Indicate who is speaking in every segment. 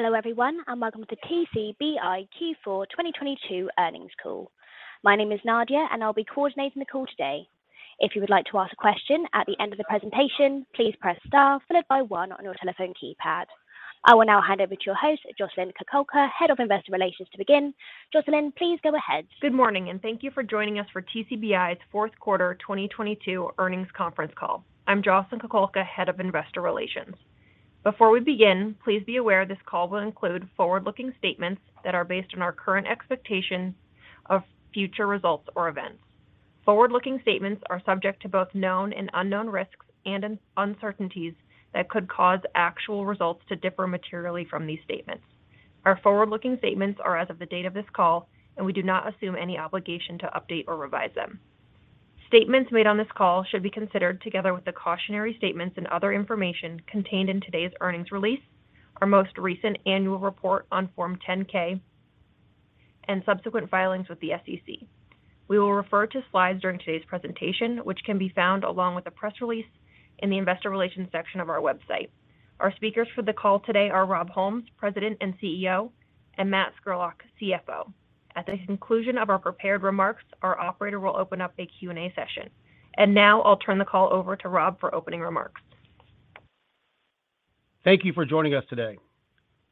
Speaker 1: Hello everyone and welcome to the TCBI Q4 2022 earnings call. My name is Nadia and I'll be coordinating the call today. If you would like to ask a question at the end of the presentation, please press star followed by one on your telephone keypad. I will now hand over to your host, Jocelyn Kukulka, Head of Investor Relations to begin. Jocelyn, please go ahead.
Speaker 2: Good morning, thank you for joining us for TCBI's fourth quarter 2022 earnings conference call. I'm Jocelyn Kukulka, Head of Investor Relations. Before we begin, please be aware this call will include forward-looking statements that are based on our current expectations of future results or events. Forward-looking statements are subject to both known and unknown risks and uncertainties that could cause actual results to differ materially from these statements. Our forward-looking statements are as of the date of this call and we do not assume any obligation to update or revise them. Statements made on this call should be considered together with the cautionary statements and other information contained in today's earnings release, our most recent annual report on Form 10-K, and subsequent filings with the SEC. We will refer to slides during today's presentation, which can be found along with a press release in the Investor Relations section of our website. Our speakers for the call today are Rob Holmes, President and CEO, and Matt Scurlock, CFO. At the conclusion of our prepared remarks, our operator will open up a Q&A session. Now I'll turn the call over to Rob for opening remarks.
Speaker 3: Thank you for joining us today.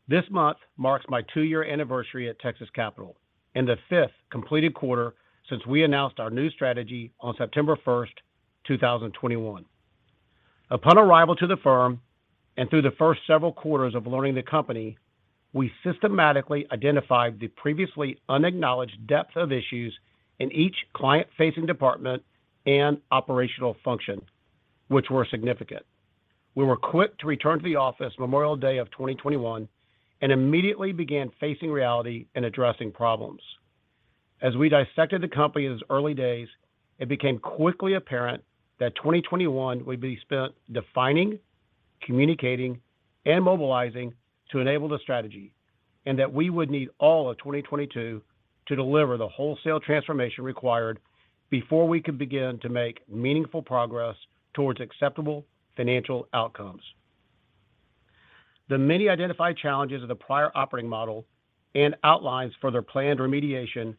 Speaker 3: This month marks my two-year anniversary at Texas Capital, and the fifth completed quarter since we announced our new strategy on September 1, 2021. Upon arrival to the firm and through the first several quarters of learning the company, we systematically identified the previously unacknowledged depth of issues in each client-facing department and operational function, which were significant. We were quick to return to the office Memorial Day of 2021 and immediately began facing reality and addressing problems. As we dissected the company in its early days, it became quickly apparent that 2021 would be spent defining, communicating, and mobilizing to enable the strategy, and that we would need all of 2022 to deliver the wholesale transformation required before we could begin to make meaningful progress towards acceptable financial outcomes. The many identified challenges of the prior operating model and outlines for their planned remediation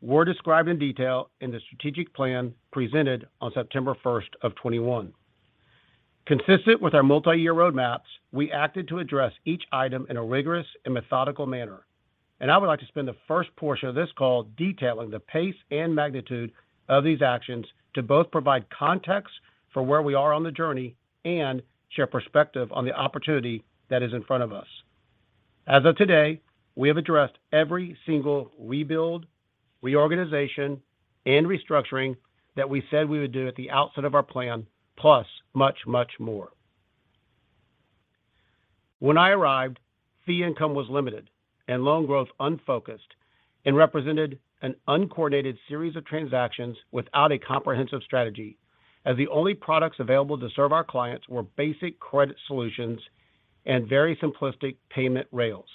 Speaker 3: were described in detail in the strategic plan presented on September 1, 2021. Consistent with our multi-year roadmaps, we acted to address each item in a rigorous and methodical manner. I would like to spend the first portion of this call detailing the pace and magnitude of these actions to both provide context for where we are on the journey and share perspective on the opportunity that is in front of us. As of today, we have addressed every single rebuild, reorganization, and restructuring that we said we would do at the outset of our plan, plus much, much more. When I arrived, fee income was limited and loan growth unfocused and represented an uncoordinated series of transactions without a comprehensive strategy, as the only products available to serve our clients were basic credit solutions and very simplistic payment rails.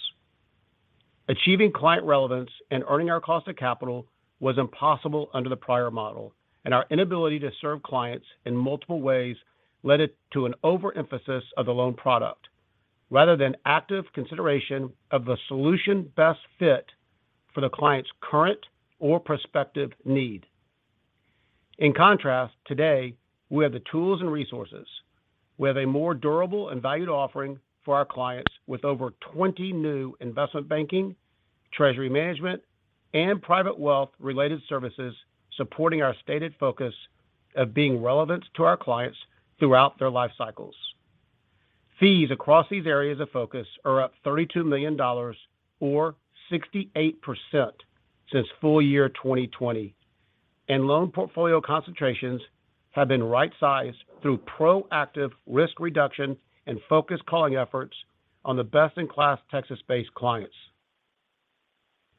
Speaker 3: Achieving client relevance and earning our cost of capital was impossible under the prior model. Our inability to serve clients in multiple ways led to an overemphasis of the loan product rather than active consideration of the solution best fit for the client's current or prospective need. In contrast, today we have the tools and resources. We have a more durable and valued offering for our clients with over 20 new investment banking, treasury management, and private wealth-related services supporting our stated focus of being relevant to our clients throughout their life cycles. Fees across these areas of focus are up $32 million or 68% since full-year 2020. Loan portfolio concentrations have been right-sized through proactive risk reduction and focused calling efforts on the best-in-class Texas-based clients.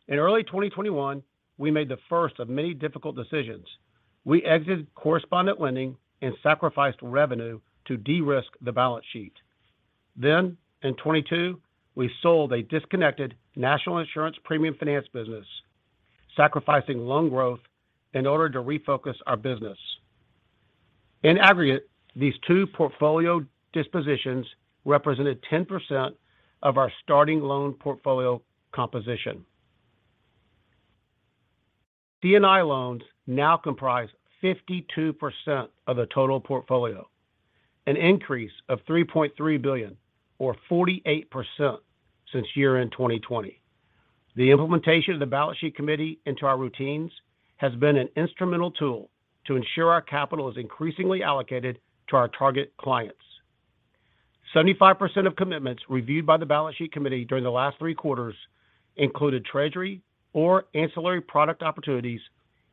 Speaker 3: In early 2021, we made the first of many difficult decisions. We exited correspondent lending and sacrificed revenue to de-risk the balance sheet. In 2022, we sold a disconnected national insurance premium finance business, sacrificing loan growth in order to refocus our business. In aggregate, these two portfolio dispositions represented 10% of our starting loan portfolio composition. CNI loans now comprise 52% of the total portfolio, an increase of $3.3 billion or 48% since year-end 2020. The implementation of the balance sheet committee into our routines has been an instrumental tool to ensure our capital is increasingly allocated to our target clients. 75% of commitments reviewed by the balance sheet committee during the last three quarters included treasury or ancillary product opportunities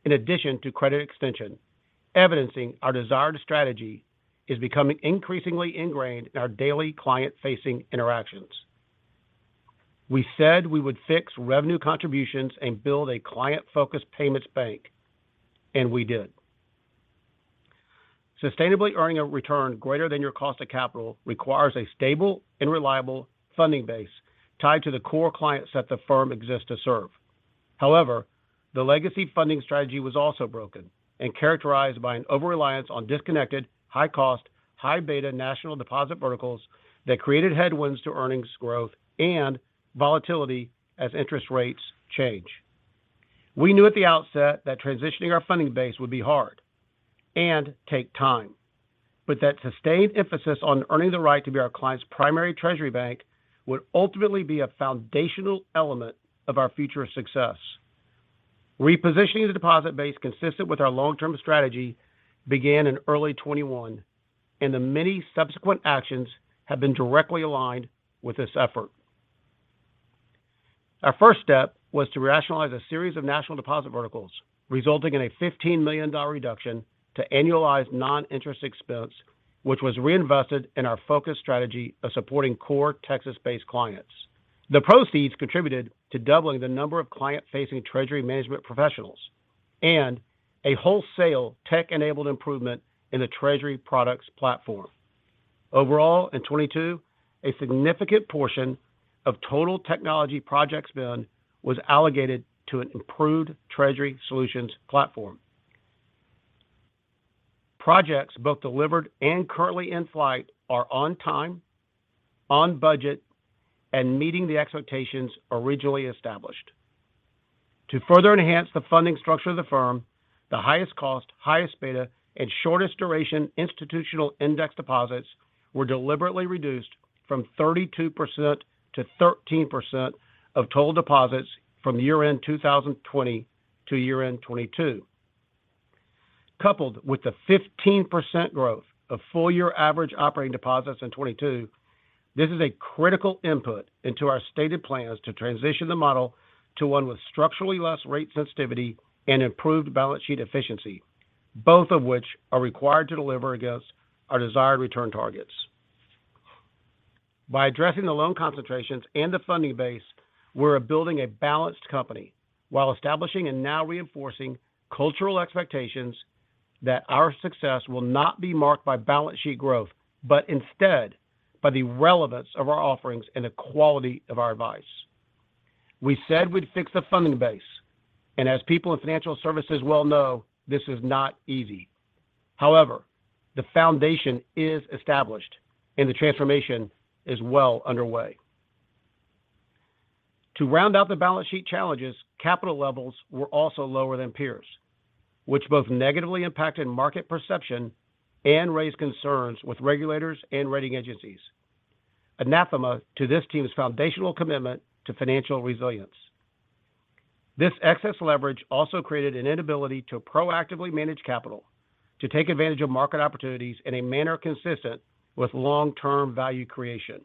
Speaker 3: in addition to credit extension, evidencing our desired strategy is becoming increasingly ingrained in our daily client-facing interactions. We said we would fix revenue contributions and build a client-focused payments bank, and we did. Sustainably earning a return greater than your cost of capital requires a stable and reliable funding base tied to the core client set the firm exists to serve. However, the legacy funding strategy was also broken and characterized by an overreliance on disconnected, high-cost, high-beta national deposit verticals that created headwinds to earnings growth and volatility as interest rates change. We knew at the outset that transitioning our funding base would be hard and take time, but that sustained emphasis on earning the right to be our client's primary treasury bank would ultimately be a foundational element of our future success. Repositioning the deposit base consistent with our long-term strategy began in early 2021. The many subsequent actions have been directly aligned with this effort. Our first step was to rationalize a series of national deposit verticals, resulting in a $15 million reduction to annualized non-interest expense, which was reinvested in our focused strategy of supporting core Texas-based clients. The proceeds contributed to doubling the number of client-facing treasury management professionals and a wholesale tech-enabled improvement in the treasury products platform. Overall, in 2022, a significant portion of total technology project spend was allocated to an improved Treasury Solutions platform. Projects both delivered and currently in flight are on time, on budget, and meeting the expectations originally established. To further enhance the funding structure of the firm, the highest cost, highest beta, and shortest duration institutional index deposits were deliberately reduced from 32%-13% of total deposits from year-end 2020 to year-end 2022. Coupled with the 15% growth of full-year average operating deposits in 2022, this is a critical input into our stated plans to transition the model to one with structurally less rate sensitivity and improved balance sheet efficiency, both of which are required to deliver against our desired return targets. By addressing the loan concentrations and the funding base, we're building a balanced company while establishing and now reinforcing cultural expectations that our success will not be marked by balance sheet growth but instead by the relevance of our offerings and the quality of our advice. We said we'd fix the funding base, and as people in financial services well know, this is not easy. However, the foundation is established, and the transformation is well underway. To round out the balance sheet challenges, capital levels were also lower than peers, which both negatively impacted market perception and raised concerns with regulators and rating agencies. Anathema to this team's foundational commitment to financial resilience. This excess leverage also created an inability to proactively manage capital, to take advantage of market opportunities in a manner consistent with long-term value creation.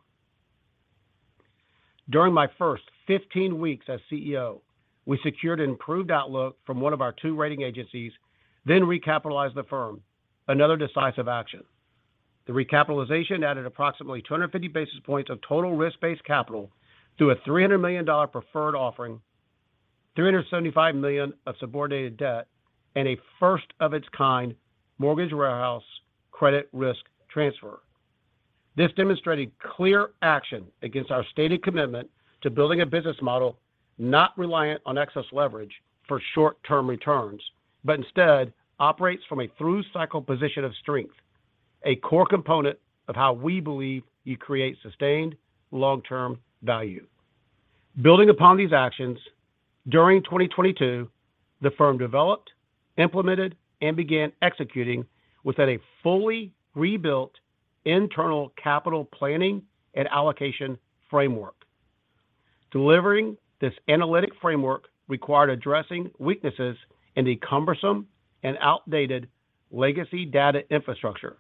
Speaker 3: During my first 15 weeks as CEO, we secured an improved outlook from one of our two rating agencies, then recapitalized the firm, another decisive action. The recapitalization added approximately 250 basis points of total risk-based capital through a $300 million preferred offering, $375 million of subordinated debt, and a first-of-its-kind mortgage warehouse credit risk transfer. This demonstrated clear action against our stated commitment to building a business model not reliant on excess leverage for short-term returns but instead operates from a through-cycle position of strength, a core component of how we believe you create sustained long-term value. Building upon these actions, during 2022, the firm developed, implemented, and began executing within a fully rebuilt internal capital planning and allocation framework. Delivering this analytic framework required addressing weaknesses in the cumbersome and outdated legacy data infrastructure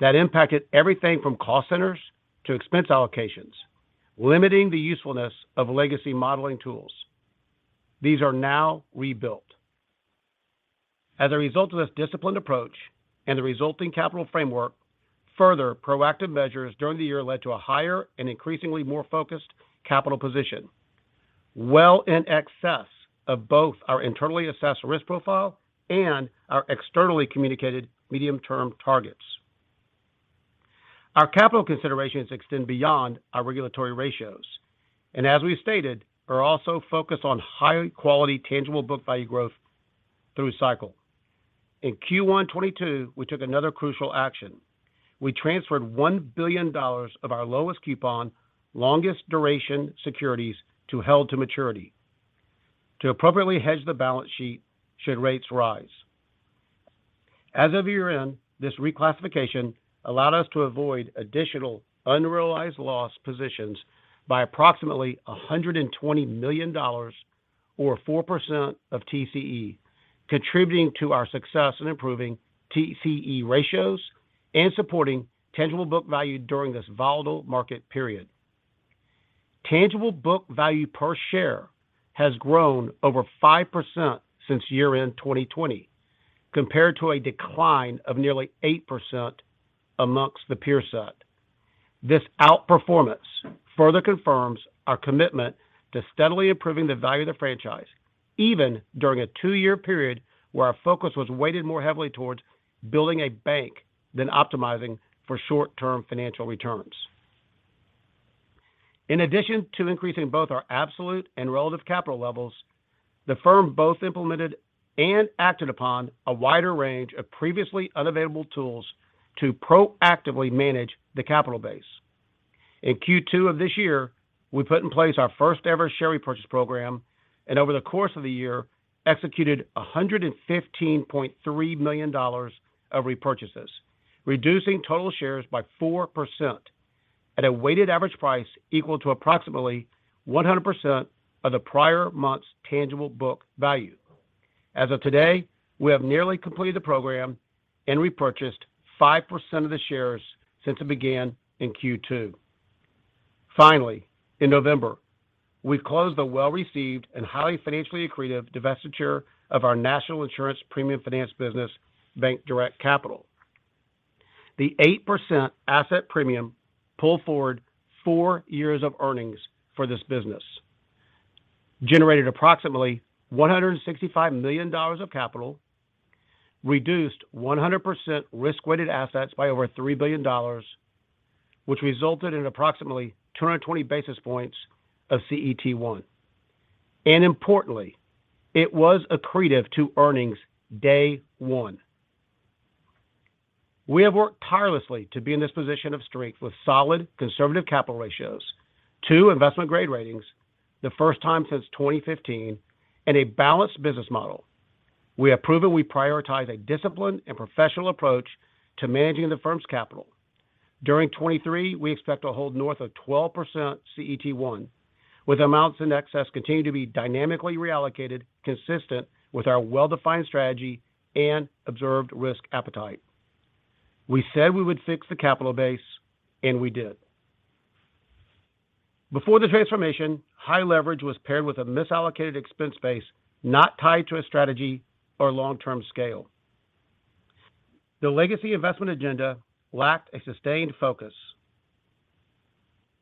Speaker 3: that impacted everything from cost centers to expense allocations, limiting the usefulness of legacy modeling tools. These are now rebuilt. As a result of this disciplined approach and the resulting capital framework, further proactive measures during the year led to a higher and increasingly more focused capital position, well in excess of both our internally assessed risk profile and our externally communicated medium-term targets. Our capital considerations extend beyond our regulatory ratios and, as we stated, are also focused on high-quality tangible book value growth through cycle. In Q1 2022, we took another crucial action. We transferred $1 billion of our lowest coupon, longest duration securities, to held-to-maturity to appropriately hedge the balance sheet should rates rise. As of year-end, this reclassification allowed us to avoid additional unrealized loss positions by approximately $120 million or 4% of TCE, contributing to our success in improving TCE ratios and supporting tangible book value during this volatile market period. Tangible book value per share has grown over 5% since year-end 2020, compared to a decline of nearly 8% amongst the peer set. This outperformance further confirms our commitment to steadily improving the value of the franchise, even during a two-year period where our focus was weighted more heavily towards building a bank than optimizing for short-term financial returns. In addition to increasing both our absolute and relative capital levels, the firm both implemented and acted upon a wider range of previously unavailable tools to proactively manage the capital base. In Q2 of this year, we put in place our first-ever share repurchase program and, over the course of the year, executed $115.3 million of repurchases, reducing total shares by 4% at a weighted average price equal to approximately 100% of the prior month's tangible book value. As of today, we have nearly completed the program and repurchased 5% of the shares since it began in Q2. Finally, in November, we closed the well-received and highly financially accretive divestiture of our national insurance premium finance business, BankDirect Capital. The 8% asset premium pulled forward four years of earnings for this business, generated approximately $165 million of capital, reduced 100% risk-weighted assets by over $3 billion, which resulted in approximately 220 basis points of CET1. Importantly, it was accretive to earnings day one. We have worked tirelessly to be in this position of strength with solid conservative capital ratios, two investment-grade ratings, the first time since 2015, and a balanced business model. We have proven we prioritize a disciplined and professional approach to managing the firm's capital. During 2023, we expect to hold north of 12% CET1, with amounts in excess continuing to be dynamically reallocated consistent with our well-defined strategy and observed risk appetite. We said we would fix the capital base, and we did. Before the transformation, high leverage was paired with a misallocated expense base not tied to a strategy or long-term scale. The legacy investment agenda lacked a sustained focus,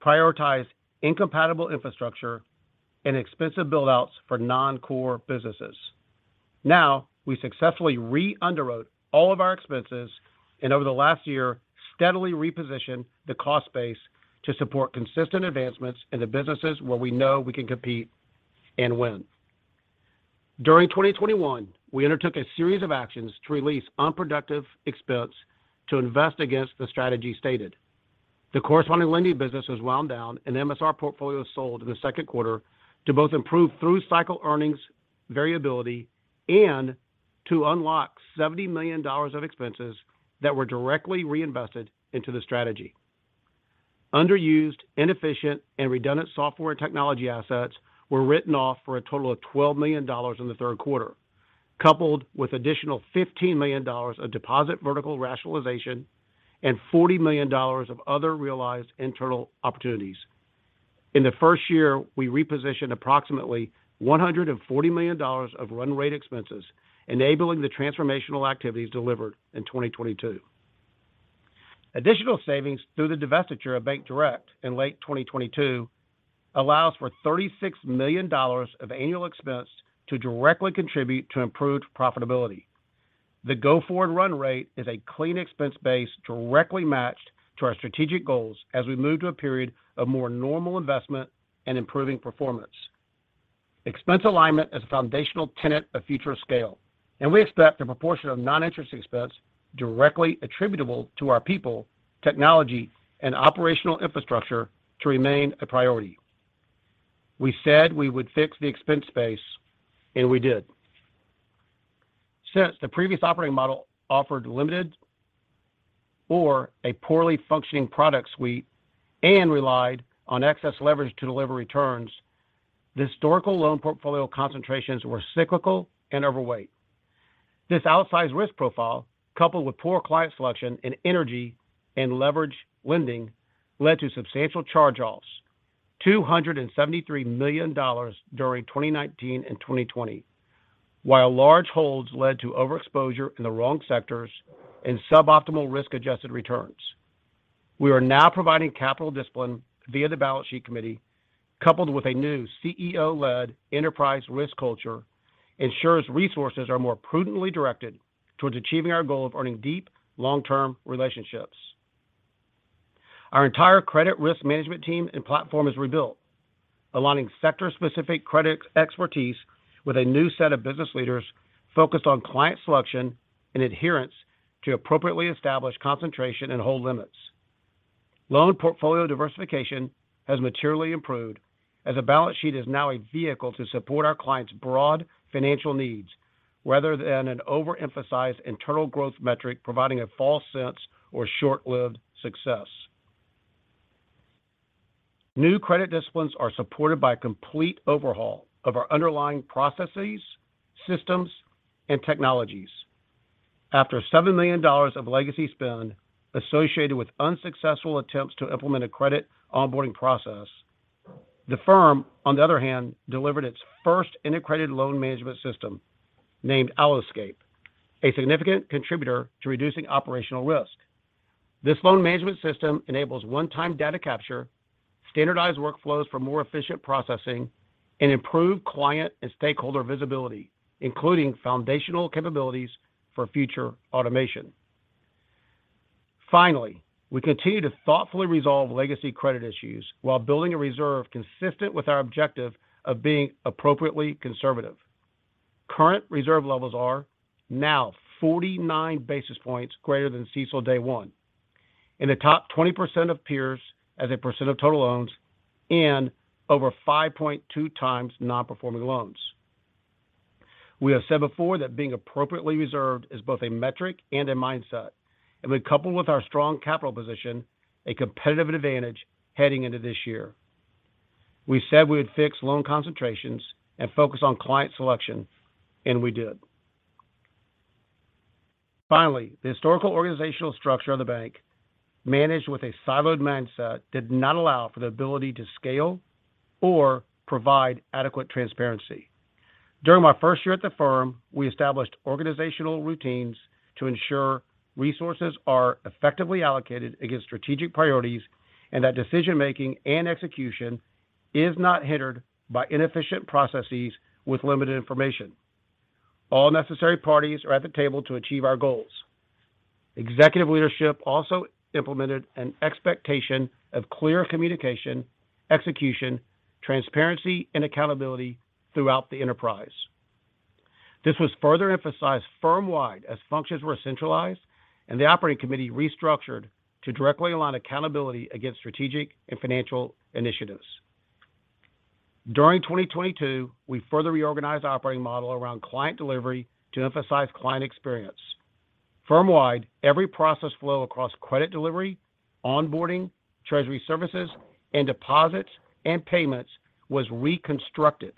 Speaker 3: prioritized incompatible infrastructure, and expensive buildouts for non-core businesses. We successfully re-underwrote all of our expenses and, over the last year, steadily repositioned the cost base to support consistent advancements in the businesses where we know we can compete and win. During 2021, we undertook a series of actions to release unproductive expense to invest against the strategy stated. The corresponding lending business was wound down, MSR portfolio was sold in the second quarter to both improve through-cycle earnings variability and to unlock $70 million of expenses that were directly reinvested into the strategy. Underused, inefficient, and redundant software and technology assets were written off for a total of $12 million in the third quarter, coupled with additional $15 million of deposit vertical rationalization and $40 million of other realized internal opportunities. In the first year, we repositioned approximately $140 million of run-rate expenses, enabling the transformational activities delivered in 2022. Additional savings through the divestiture of BankDirect in late 2022 allows for $36 million of annual expense to directly contribute to improved profitability. The go-forward run rate is a clean expense base directly matched to our strategic goals as we move to a period of more normal investment and improving performance. Expense alignment is a foundational tenet of future scale, and we expect the proportion of non-interest expense directly attributable to our people, technology, and operational infrastructure to remain a priority. We said we would fix the expense base, and we did. The previous operating model offered limited or a poorly functioning product suite and relied on excess leverage to deliver returns, the historical loan portfolio concentrations were cyclical and overweight. This outsized risk profile, coupled with poor client selection in energy and leverage lending, led to substantial charge-offs, $273 million during 2019 and 2020, while large holds led to overexposure in the wrong sectors and suboptimal risk-adjusted returns. We are now providing capital discipline via the balance sheet committee, coupled with a new CEO-led enterprise risk culture, ensures resources are more prudently directed towards achieving our goal of earning deep, long-term relationships. Our entire credit risk management team and platform is rebuilt, aligning sector-specific credit expertise with a new set of business leaders focused on client selection and adherence to appropriately established concentration and hold limits. Loan portfolio diversification has materially improved, as a balance sheet is now a vehicle to support our clients' broad financial needs rather than an overemphasized internal growth metric providing a false sense of short-lived success. New credit disciplines are supported by a complete overhaul of our underlying processes, systems, and technologies. After $7 million of legacy spend associated with unsuccessful attempts to implement a credit onboarding process, the firm, on the other hand, delivered its first integrated loan management system named Alloscape, a significant contributor to reducing operational risk. This loan management system enables one-time data capture, standardized workflows for more efficient processing, and improved client and stakeholder visibility, including foundational capabilities for future automation. Finally, we continue to thoughtfully resolve legacy credit issues while building a reserve consistent with our objective of being appropriately conservative. Current reserve levels are now 49 basis points greater than CECL day one, in the top 20% of peers as a percent of total loans, and over 5.2x non-performing loans. We have said before that being appropriately reserved is both a metric and a mindset, and we couple with our strong capital position a competitive advantage heading into this year. We said we would fix loan concentrations and focus on client selection, and we did. Finally, the historical organizational structure of the bank, managed with a siloed mindset, did not allow for the ability to scale or provide adequate transparency. During my first year at the firm, we established organizational routines to ensure resources are effectively allocated against strategic priorities and that decision-making and execution is not hindered by inefficient processes with limited information. All necessary parties are at the table to achieve our goals. Executive leadership also implemented an expectation of clear communication, execution, transparency, and accountability throughout the enterprise. This was further emphasized firm-wide as functions were centralized, and the operating committee restructured to directly align accountability against strategic and financial initiatives. During 2022, we further reorganized our operating model around client delivery to emphasize client experience. Firm-wide, every process flow across credit delivery, onboarding, treasury services, and deposits and payments was reconstructed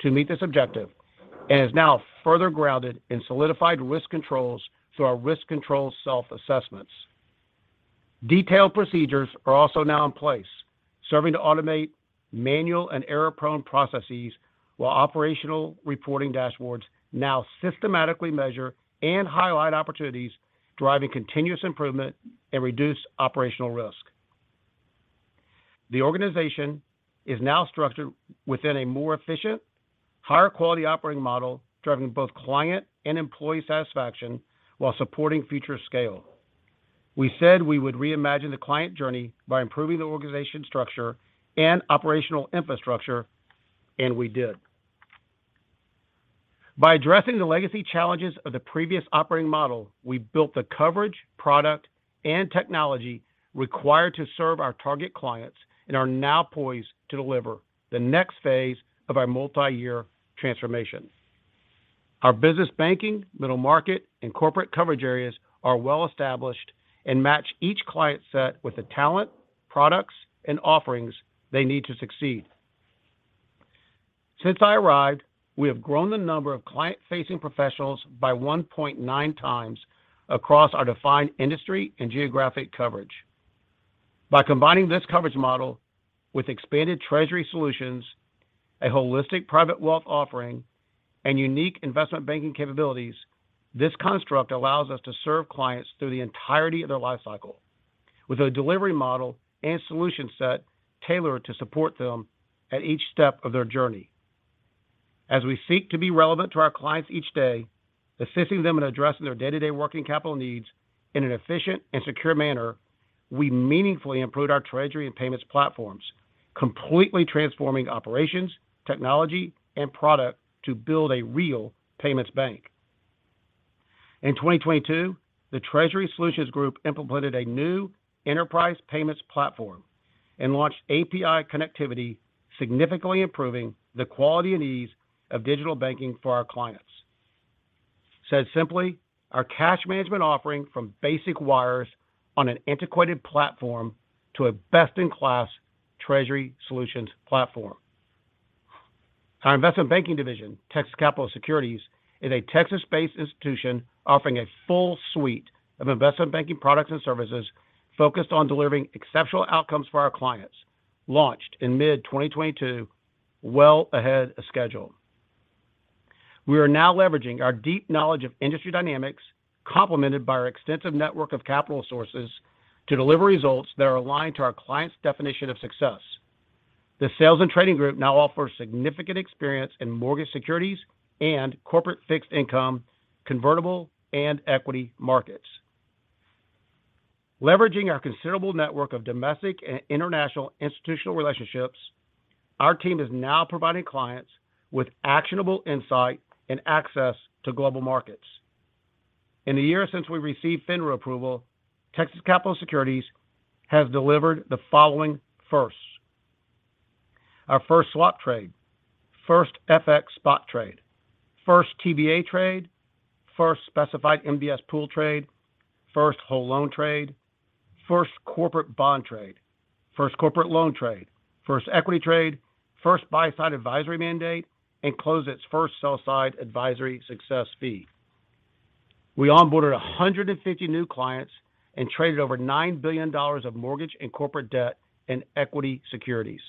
Speaker 3: to meet this objective and is now further grounded in solidified risk controls through our risk control self-assessments. Detailed procedures are also now in place, serving to automate manual and error-prone processes while operational reporting dashboards now systematically measure and highlight opportunities driving continuous improvement and reduced operational risk. The organization is now structured within a more efficient, higher-quality operating model driving both client and employee satisfaction while supporting future scale. We said we would reimagine the client journey by improving the organization structure and operational infrastructure, and we did. By addressing the legacy challenges of the previous operating model, we built the coverage, product, and technology required to serve our target clients and are now poised to deliver the next phase of our multi-year transformation. Our business banking, middle market, and corporate coverage areas are well established and match each client set with the talent, products, and offerings they need to succeed. Since I arrived, we have grown the number of client-facing professionals by 1.9x across our defined industry and geographic coverage. By combining this coverage model with expanded treasury solutions, a holistic private wealth offering, and unique investment banking capabilities, this construct allows us to serve clients through the entirety of their lifecycle with a delivery model and solution set tailored to support them at each step of their journey. As we seek to be relevant to our clients each day, assisting them in addressing their day-to-day working capital needs in an efficient and secure manner, we meaningfully improved our treasury and payments platforms, completely transforming operations, technology, and product to build a real payments bank. In 2022, the Treasury Solutions Group implemented a new enterprise payments platform and launched API connectivity, significantly improving the quality and ease of digital banking for our clients. Said simply, our cash management offering from basic wires on an antiquated platform to a best-in-class treasury solutions platform. Our investment banking division, Texas Capital Securities, is a Texas-based institution offering a full suite of investment banking products and services focused on delivering exceptional outcomes for our clients, launched in mid-2022 well ahead of schedule. We are now leveraging our deep knowledge of industry dynamics, complemented by our extensive network of capital sources, to deliver results that are aligned to our client's definition of success. The sales and trading group now offers significant experience in mortgage securities and corporate fixed income, convertible, and equity markets. Leveraging our considerable network of domestic and international institutional relationships, our team is now providing clients with actionable insight and access to global markets. In the year since we received FINRA approval, Texas Capital Securities has delivered the following firsts: our first swap trade, first FX spot trade, first TBA trade, first specified MBS pool trade, first whole loan trade, first corporate bond trade, first corporate loan trade, first equity trade, first buy-side advisory mandate, and closed its first sell-side advisory success fee. We onboarded 150 new clients and traded over $9 billion of mortgage and corporate debt in equity securities.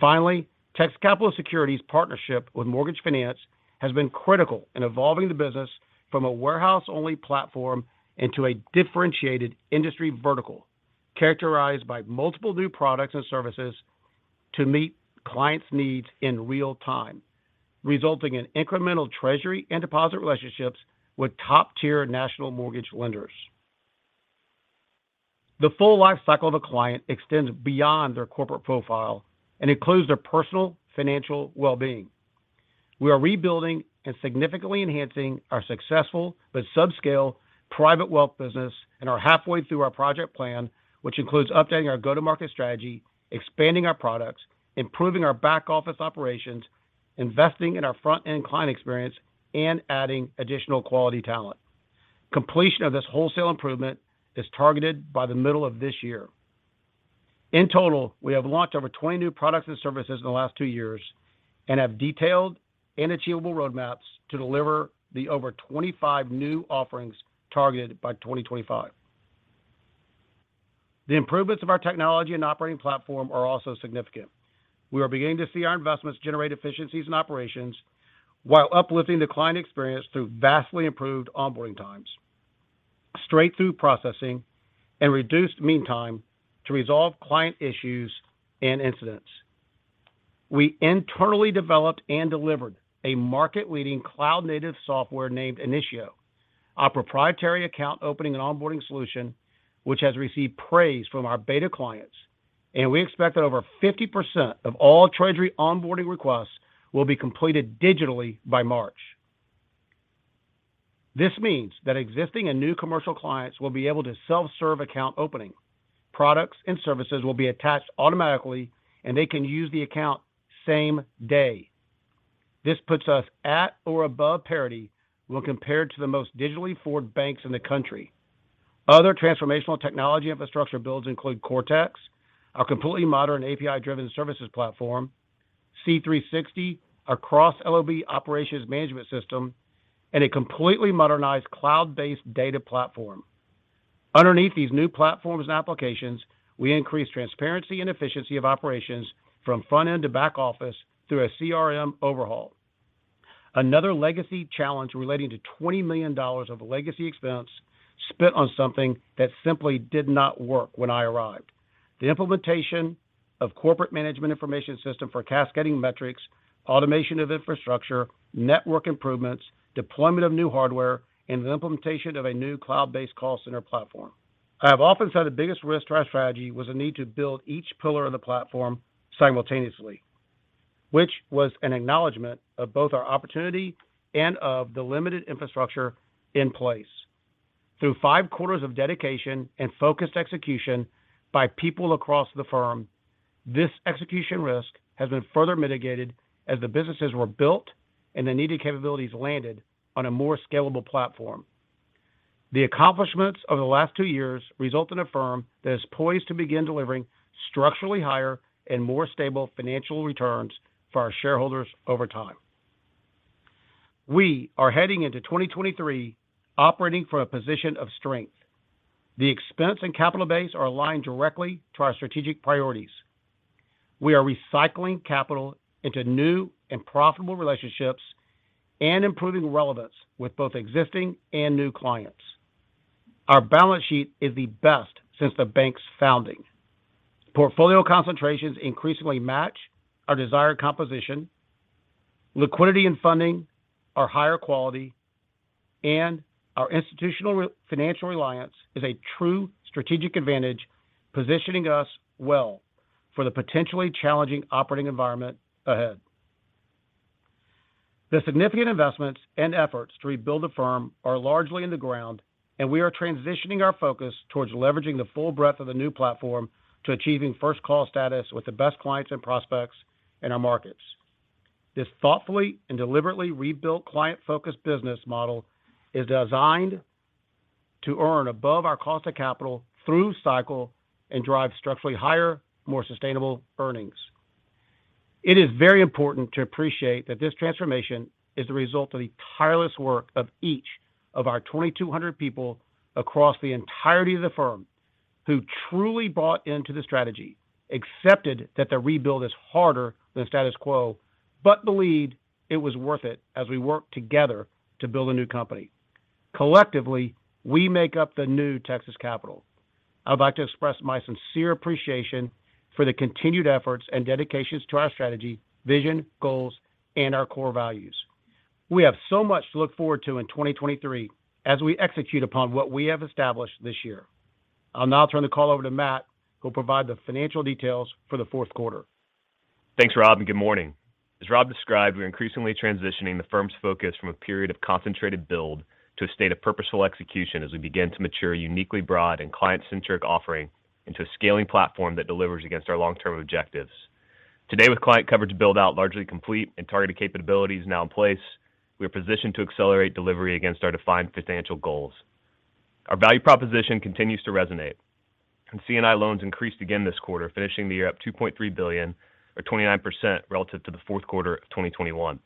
Speaker 3: Finally, Texas Capital Securities' partnership with Mortgage Finance has been critical in evolving the business from a warehouse-only platform into a differentiated industry vertical characterized by multiple new products and services to meet clients' needs in real time, resulting in incremental treasury and deposit relationships with top-tier national mortgage lenders. The full lifecycle of a client extends beyond their corporate profile and includes their personal financial well-being. We are rebuilding and significantly enhancing our successful but subscale private wealth business and are halfway through our project plan, which includes updating our go-to-market strategy, expanding our products, improving our back-office operations, investing in our front-end client experience, and adding additional quality talent. Completion of this wholesale improvement is targeted by the middle of this year. In total, we have launched over 20 new products and services in the last two years and have detailed and achievable roadmaps to deliver the over 25 new offerings targeted by 2025. The improvements of our technology and operating platform are also significant. We are beginning to see our investments generate efficiencies in operations while uplifting the client experience through vastly improved onboarding times, straight-through processing, and reduced meantime to resolve client issues and incidents. We internally developed and delivered a market-leading cloud-native software named Initio, our proprietary account opening and onboarding solution, which has received praise from our beta clients, and we expect that over 50% of all treasury onboarding requests will be completed digitally by March. This means that existing and new commercial clients will be able to self-serve account opening. Products and services will be attached automatically, and they can use the account same day. This puts us at or above parity when compared to the most digitally forward banks in the country. Other transformational technology infrastructure builds include CoreTex, our completely modern API-driven services platform, C360, our cross-LOB operations management system, and a completely modernized cloud-based data platform. Underneath these new platforms and applications, we increased transparency and efficiency of operations from front-end to back-office through a CRM overhaul. Another legacy challenge relating to $20 million of legacy expense spent on something that simply did not work when I arrived: the implementation of corporate management information system for cascading metrics, automation of infrastructure, network improvements, deployment of new hardware, and the implementation of a new cloud-based call center platform. I have often said the biggest risk to our strategy was the need to build each pillar of the platform simultaneously, which was an acknowledgment of both our opportunity and of the limited infrastructure in place. Through five quarters of dedication and focused execution by people across the firm, this execution risk has been further mitigated as the businesses were built and the needed capabilities landed on a more scalable platform. The accomplishments of the last two years result in a firm that is poised to begin delivering structurally higher and more stable financial returns for our shareholders over time. We are heading into 2023 operating from a position of strength. The expense and capital base are aligned directly to our strategic priorities. We are recycling capital into new and profitable relationships and improving relevance with both existing and new clients. Our balance sheet is the best since the bank's founding. Portfolio concentrations increasingly match our desired composition. Liquidity and funding are higher quality, and our institutional financial reliance is a true strategic advantage, positioning us well for the potentially challenging operating environment ahead. The significant investments and efforts to rebuild the firm are largely in the ground, and we are transitioning our focus towards leveraging the full breadth of the new platform to achieving first-call status with the best clients and prospects in our markets. This thoughtfully and deliberately rebuilt client-focused business model is designed to earn above our cost of capital through cycle and drive structurally higher, more sustainable earnings. It is very important to appreciate that this transformation is the result of the tireless work of each of our 2,200 people across the entirety of the firm who truly bought into the strategy, accepted that the rebuild is harder than status quo, but believed it was worth it as we worked together to build a new company. Collectively, we make up the new Texas Capital. I would like to express my sincere appreciation for the continued efforts and dedications to our strategy, vision, goals, and our core values. We have so much to look forward to in 2023 as we execute upon what we have established this year. I'll now turn the call over to Matt, who will provide the financial details for the fourth quarter.
Speaker 4: Thanks, Rob. Good morning. As Rob described, we are increasingly transitioning the firm's focus from a period of concentrated build to a state of purposeful execution as we begin to mature a uniquely broad and client-centric offering into a scaling platform that delivers against our long-term objectives. Today, with client coverage build-out largely complete and targeted capabilities now in place, we are positioned to accelerate delivery against our defined financial goals. Our value proposition continues to resonate. CNI loans increased again this quarter, finishing the year at $2.3 billion, or 29% relative to the fourth quarter of 2021.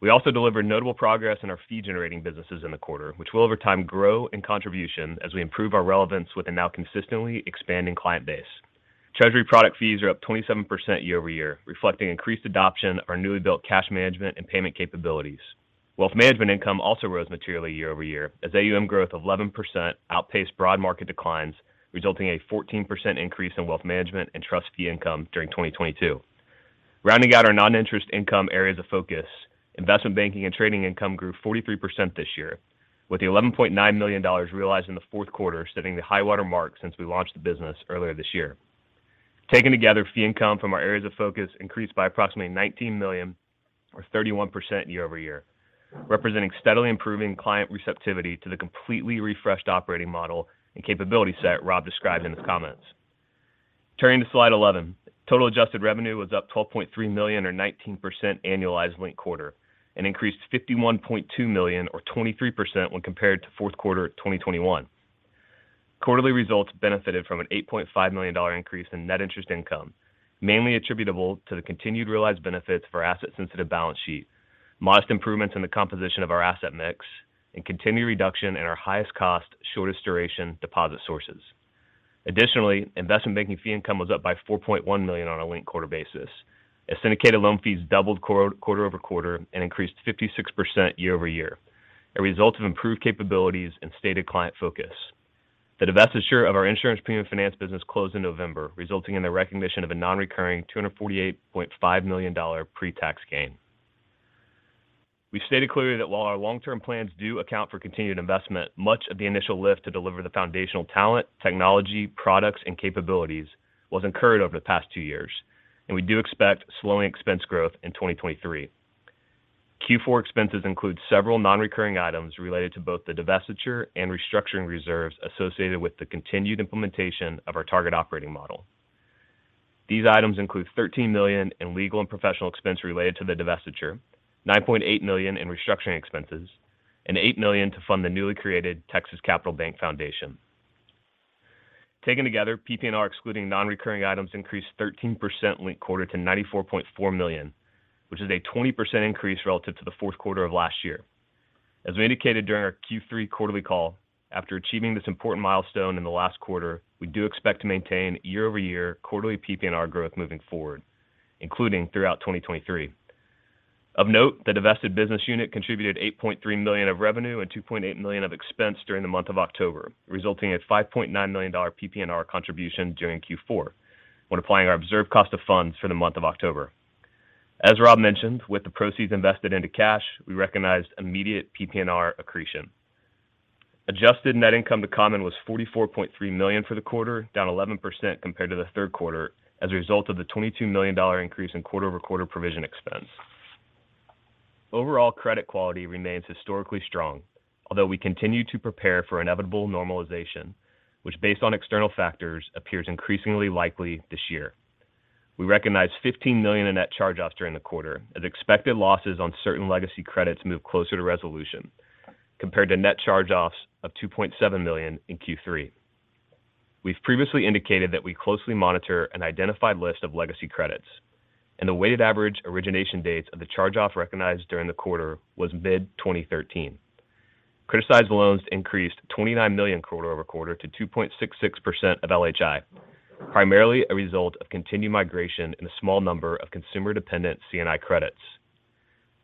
Speaker 4: We also delivered notable progress in our fee-generating businesses in the quarter, which will over time grow in contribution as we improve our relevance with a now consistently expanding client base. Treasury product fees are up 27% year-over-year, reflecting increased adoption of our newly built cash management and payment capabilities. Wealth management income also rose materially year-over-year as AUM growth of 11% outpaced broad market declines, resulting in a 14% increase in wealth management and trust fee income during 2022. Rounding out our non-interest income areas of focus, investment banking and trading income grew 43% this year, with the $11.9 million realized in the fourth quarter setting the highwater mark since we launched the business earlier this year. Taken together, fee income from our areas of focus increased by approximately $19 million, or 31% year-over-year, representing steadily improving client receptivity to the completely refreshed operating model and capability set Rob described in his comments. Turning to slide 11, total adjusted revenue was up $12.3 million, or 19% annualized linked-quarter. Increased $51.2 million, or 23% when compared to fourth quarter 2021. Quarterly results benefited from an $8.5 million increase in net interest income, mainly attributable to the continued realized benefits for asset-sensitive balance sheet, modest improvements in the composition of our asset mix, and continued reduction in our highest cost, shortest duration deposit sources. Additionally, investment banking fee income was up by $4.1 million on a linked-quarter basis. Syndicated loan fees doubled quarter-over-quarter and increased 56% year-over-year, a result of improved capabilities and stated client focus. The divestiture of our insurance premium finance business closed in November, resulting in the recognition of a non-recurring $248.5 million pre-tax gain. We stated clearly that while our long-term plans do account for continued investment, much of the initial lift to deliver the foundational talent, technology, products, and capabilities was incurred over the past two years, and we do expect slowing expense growth in 2023. Q4 expenses include several non-recurring items related to both the divestiture and restructuring reserves associated with the continued implementation of our target operating model. These items include $13 million in legal and professional expense related to the divestiture, $9.8 million in restructuring expenses, and $8 million to fund the newly created Texas Capital Bank Foundation. Taken together, PP&R excluding non-recurring items increased 13% linked-quarter to $94.4 million, which is a 20% increase relative to the fourth quarter of last year. As we indicated during our Q3 quarterly call, after achieving this important milestone in the last quarter, we do expect to maintain year-over-year quarterly PP&R growth moving forward, including throughout 2023. Of note, the divested business unit contributed $8.3 million of revenue and $2.8 million of expense during the month of October, resulting in a $5.9 million PP&R contribution during Q4 when applying our observed cost of funds for the month of October. As Rob mentioned, with the proceeds invested into cash, we recognized immediate PP&R accretion. Adjusted net income to common was $44.3 million for the quarter, down 11% compared to the third quarter as a result of the $22 million increase in quarter-over-quarter provision expense. Overall credit quality remains historically strong, although we continue to prepare for inevitable normalization, which, based on external factors, appears increasingly likely this year. We recognize $15 million in net charge-offs during the quarter as expected losses on certain legacy credits move closer to resolution compared to net charge-offs of $2.7 million in Q3. We've previously indicated that we closely monitor an identified list of legacy credits, and the weighted average origination dates of the charge-off recognized during the quarter was mid-2013. Criticized loans increased $29 million quarter-over-quarter to 2.66% of LHI, primarily a result of continued migration in a small number of consumer-dependent CNI credits.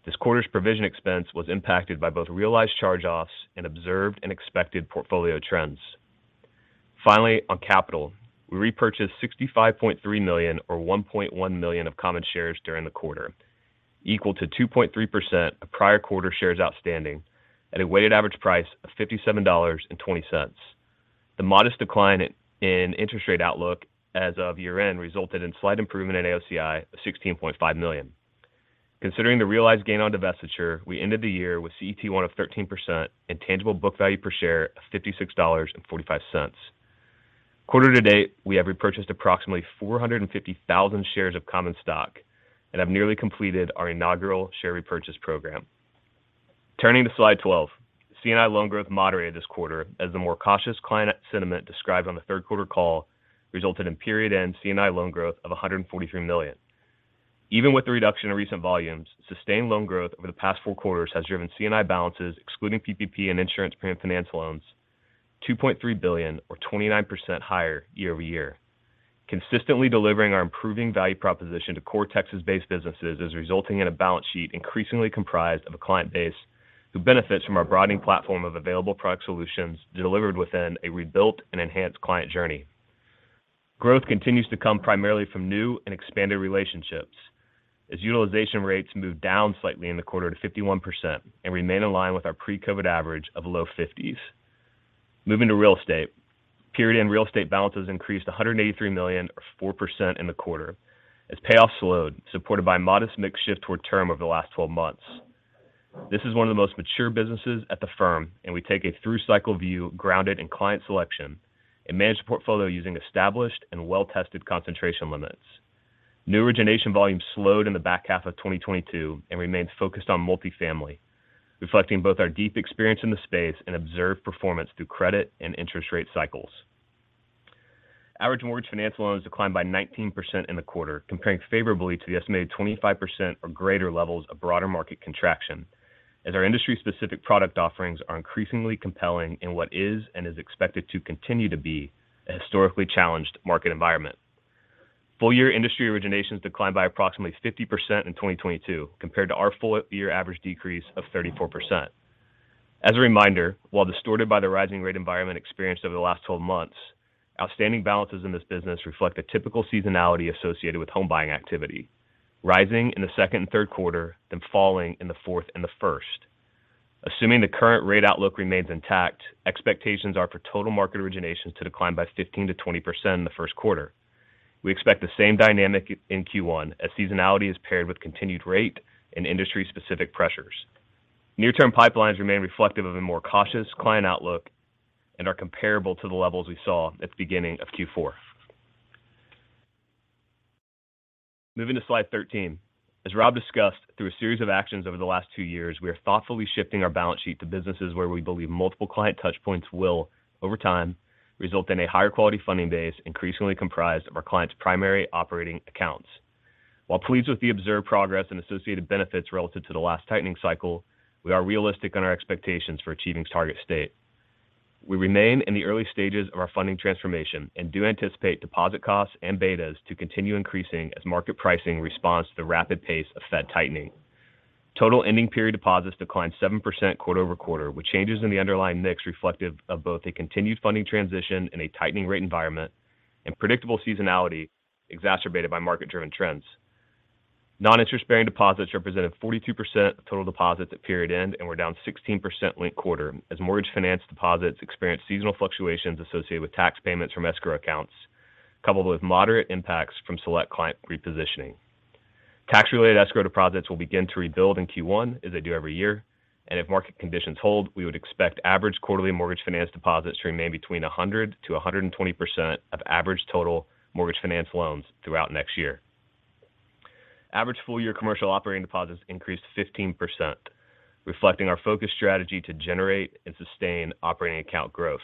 Speaker 4: This quarter's provision expense was impacted by both realized charge-offs and observed and expected portfolio trends. Finally, on capital, we repurchased $65.3 million, or 1.1 million, of common shares during the quarter, equal to 2.3% of prior quarter shares outstanding at a weighted average price of $57.20. The modest decline in interest rate outlook as of year-end resulted in slight improvement in AOCI of $16.5 million. Considering the realized gain on divestiture, we ended the year with CET1 of 13% and tangible book value per share of $56.45. Quarter-to-date, we have repurchased approximately 450,000 shares of common stock and have nearly completed our inaugural share repurchase program. Turning to slide 12, CNI loan growth moderated this quarter as the more cautious client sentiment described on the third quarter call resulted in period-end CNI loan growth of $143 million. Even with the reduction in recent volumes, sustained loan growth over the past four quarters has driven CNI balances, excluding PPP and insurance premium finance loans, $2.3 billion, or 29% higher year-over-year. Consistently delivering our improving value proposition to core Texas-based businesses is resulting in a balance sheet increasingly comprised of a client base who benefits from our broadening platform of available product solutions delivered within a rebuilt and enhanced client journey. Growth continues to come primarily from new and expanded relationships as utilization rates move down slightly in the quarter to 51% and remain in line with our pre-COVID average of low 50s. Moving to real estate, period-end real estate balances increased $183 million, or 4%, in the quarter as payoffs slowed, supported by modest mixed shift toward term over the last 12 months. This is one of the most mature businesses at the firm, and we take a through-cycle view grounded in client selection and manage the portfolio using established and well-tested concentration limits. New origination volumes slowed in the back half of 2022 and remained focused on multifamily, reflecting both our deep experience in the space and observed performance through credit and interest rate cycles. Average Mortgage Finance Loans declined by 19% in the quarter, comparing favorably to the estimated 25% or greater levels of broader market contraction as our industry-specific product offerings are increasingly compelling in what is and is expected to continue to be a historically challenged market environment. Full-year industry originations declined by approximately 50% in 2022 compared to our full-year average decrease of 34%. As a reminder, while distorted by the rising rate environment experienced over the last 12 months, outstanding balances in this business reflect the typical seasonality associated with home buying activity, rising in the second and third quarter, then falling in the fourth and the first. Assuming the current rate outlook remains intact, expectations are for total market originations to decline by 15%-20% in the first quarter. We expect the same dynamic in Q1 as seasonality is paired with continued rate and industry-specific pressures. Near-term pipelines remain reflective of a more cautious client outlook and are comparable to the levels we saw at the beginning of Q4. Moving to slide 13, as Rob discussed, through a series of actions over the last two years, we are thoughtfully shifting our balance sheet to businesses where we believe multiple client touchpoints will, over time, result in a higher quality funding base increasingly comprised of our clients' primary operating accounts. While pleased with the observed progress and associated benefits relative to the last tightening cycle, we are realistic in our expectations for achieving target state. We remain in the early stages of our funding transformation and do anticipate deposit costs and betas to continue increasing as market pricing responds to the rapid pace of Fed tightening. Total ending period deposits declined 7% quarter-over-quarter, with changes in the underlying mix reflective of both a continued funding transition in a tightening rate environment and predictable seasonality exacerbated by market-driven trends. Non-interest-bearing deposits represented 42% of total deposits at period-end and were down 16% link-quarter as mortgage finance deposits experienced seasonal fluctuations associated with tax payments from escrow accounts, coupled with moderate impacts from select client repositioning. If market conditions hold, we would expect average quarterly mortgage finance deposits to remain between 100%-120% of average total Mortgage Finance Loans throughout next year. Average full-year commercial operating deposits increased 15%, reflecting our focus strategy to generate and sustain operating account growth.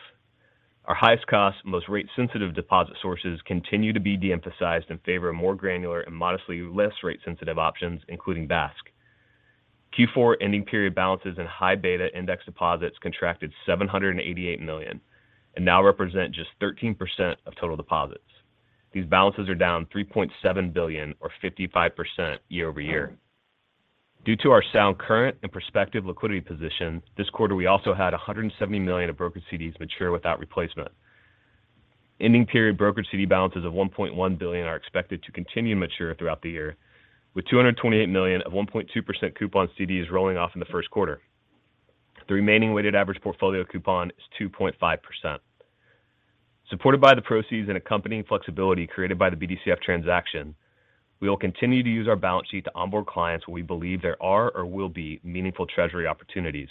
Speaker 4: Our highest cost, most rate-sensitive deposit sources continue to be deemphasized in favor of more granular and modestly less rate-sensitive options, including Bask. Q4 ending period balances in high beta index deposits contracted $788 million and now represent just 13% of total deposits. These balances are down $3.7 billion, or 55%, year-over-year. Due to our sound current and prospective liquidity position, this quarter we also had $170 million of brokered CDs mature without replacement. Ending period brokered CD balances of $1.1 billion are expected to continue to mature throughout the year, with $228 million of 1.2% coupon CDs rolling off in the first quarter. The remaining weighted average portfolio coupon is 2.5%. Supported by the proceeds and accompanying flexibility created by the BDCF transaction, we will continue to use our balance sheet to onboard clients where we believe there are or will be meaningful treasury opportunities.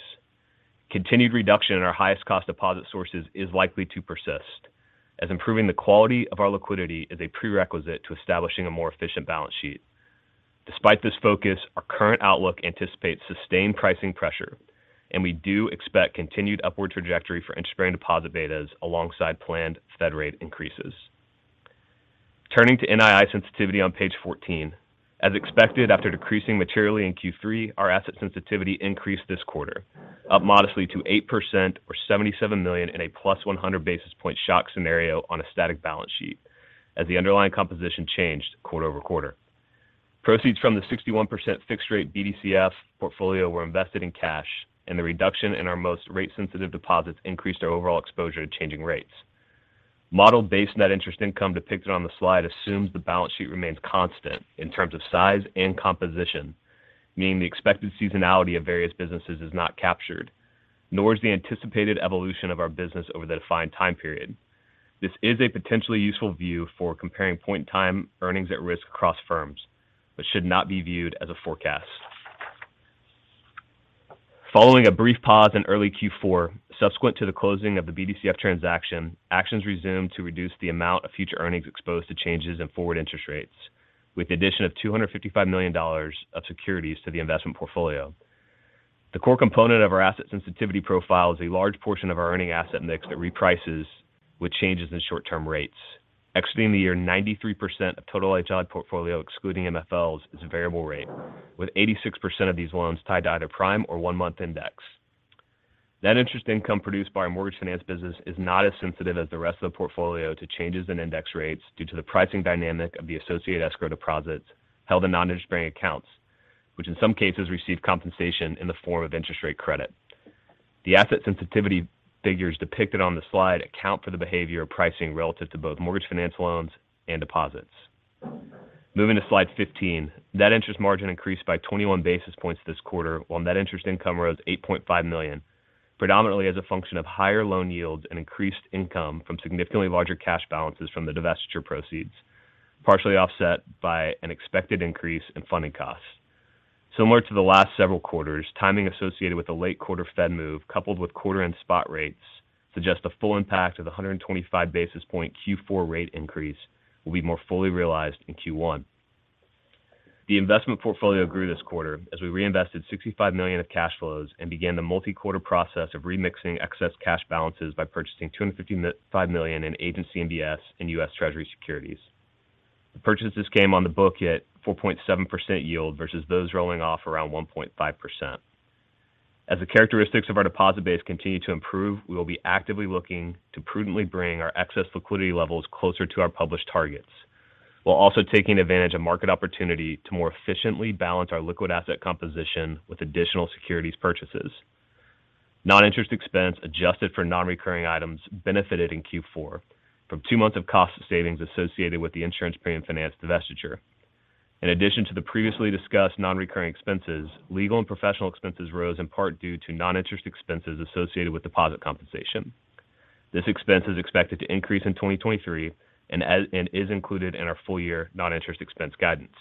Speaker 4: Continued reduction in our highest cost deposit sources is likely to persist, as improving the quality of our liquidity is a prerequisite to establishing a more efficient balance sheet. Despite this focus, our current outlook anticipates sustained pricing pressure. We do expect continued upward trajectory for interest-bearing deposit betas alongside planned Fed rate increases. Turning to NII sensitivity on page 14, as expected after decreasing materially in Q3, our asset sensitivity increased this quarter, up modestly to 8%, or $77 million, in a +100 basis point shock scenario on a static balance sheet as the underlying composition changed quarter-over-quarter. Proceeds from the 61% fixed-rate BDCF portfolio were invested in cash. The reduction in our most rate-sensitive deposits increased our overall exposure to changing rates. Model-based net interest income depicted on the slide assumes the balance sheet remains constant in terms of size and composition, meaning the expected seasonality of various businesses is not captured, nor is the anticipated evolution of our business over the defined time period. This is a potentially useful view for comparing point-in-time earnings at risk across firms, but should not be viewed as a forecast. Following a brief pause in early Q4 subsequent to the closing of the BDCF transaction, actions resumed to reduce the amount of future earnings exposed to changes in forward interest rates, with the addition of $255 million of securities to the investment portfolio. The core component of our asset sensitivity profile is a large portion of our earning asset mix that reprices with changes in short-term rates. Exiting the year, 93% of total HLA portfolio excluding MFLs is variable rate, with 86% of these loans tied to either prime or one-month index. Net interest income produced by our mortgage finance business is not as sensitive as the rest of the portfolio to changes in index rates due to the pricing dynamic of the associated escrow deposits held in non-interest-bearing accounts, which in some cases receive compensation in the form of interest rate credit. The asset sensitivity figures depicted on the slide account for the behavior of pricing relative to both mortgage finance loans and deposits. Moving to slide 15, net interest margin increased by 21 basis points this quarter while net interest income rose $8.5 million, predominantly as a function of higher loan yields and increased income from significantly larger cash balances from the divestiture proceeds, partially offset by an expected increase in funding costs. Similar to the last several quarters, timing associated with the late quarter Fed move coupled with quarter-end spot rates suggests the full impact of the 125 basis point Q4 rate increase will be more fully realized in Q1. The investment portfolio grew this quarter as we reinvested $65 million of cash flows and began the multi-quarter process of remixing excess cash balances by purchasing $255 million in agent CMBS and U.S. Treasury securities. The purchase this came on the book hit 4.7% yield versus those rolling off around 1.5%. As the characteristics of our deposit base continue to improve, we will be actively looking to prudently bring our excess liquidity levels closer to our published targets, while also taking advantage of market opportunity to more efficiently balance our liquid asset composition with additional securities purchases. Non-interest expense adjusted for non-recurring items benefited in Q4 from two months of cost savings associated with the insurance premium finance divestiture. In addition to the previously discussed non-recurring expenses, legal and professional expenses rose in part due to non-interest expenses associated with deposit compensation. This expense is expected to increase in 2023 and is included in our full-year non-interest expense guidance.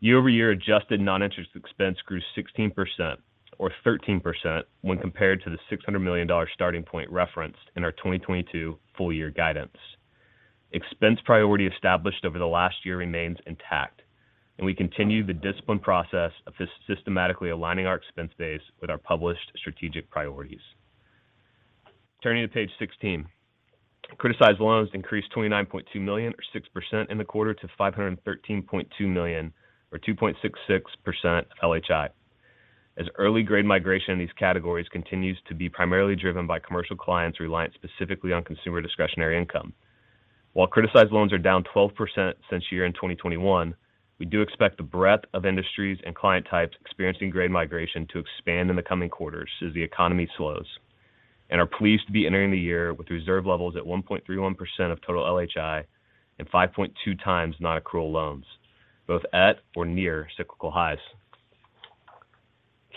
Speaker 4: Year-over-year, adjusted non-interest expense grew 16%, or 13%, when compared to the $600 million starting point referenced in our 2022 full-year guidance. Expense priority established over the last year remains intact, and we continue the disciplined process of systematically aligning our expense base with our published strategic priorities. Turning to page 16, criticized loans increased $29.2 million, or 6%, in the quarter to $513.2 million, or 2.66% of LHI. As early grade migration in these categories continues to be primarily driven by commercial clients reliant specifically on consumer discretionary income, while criticized loans are down 12% since year-end 2021, we do expect the breadth of industries and client types experiencing grade migration to expand in the coming quarters as the economy slows, and are pleased to be entering the year with reserve levels at 1.31% of total LHI and 5.2x non-accrual loans, both at or near cyclical highs.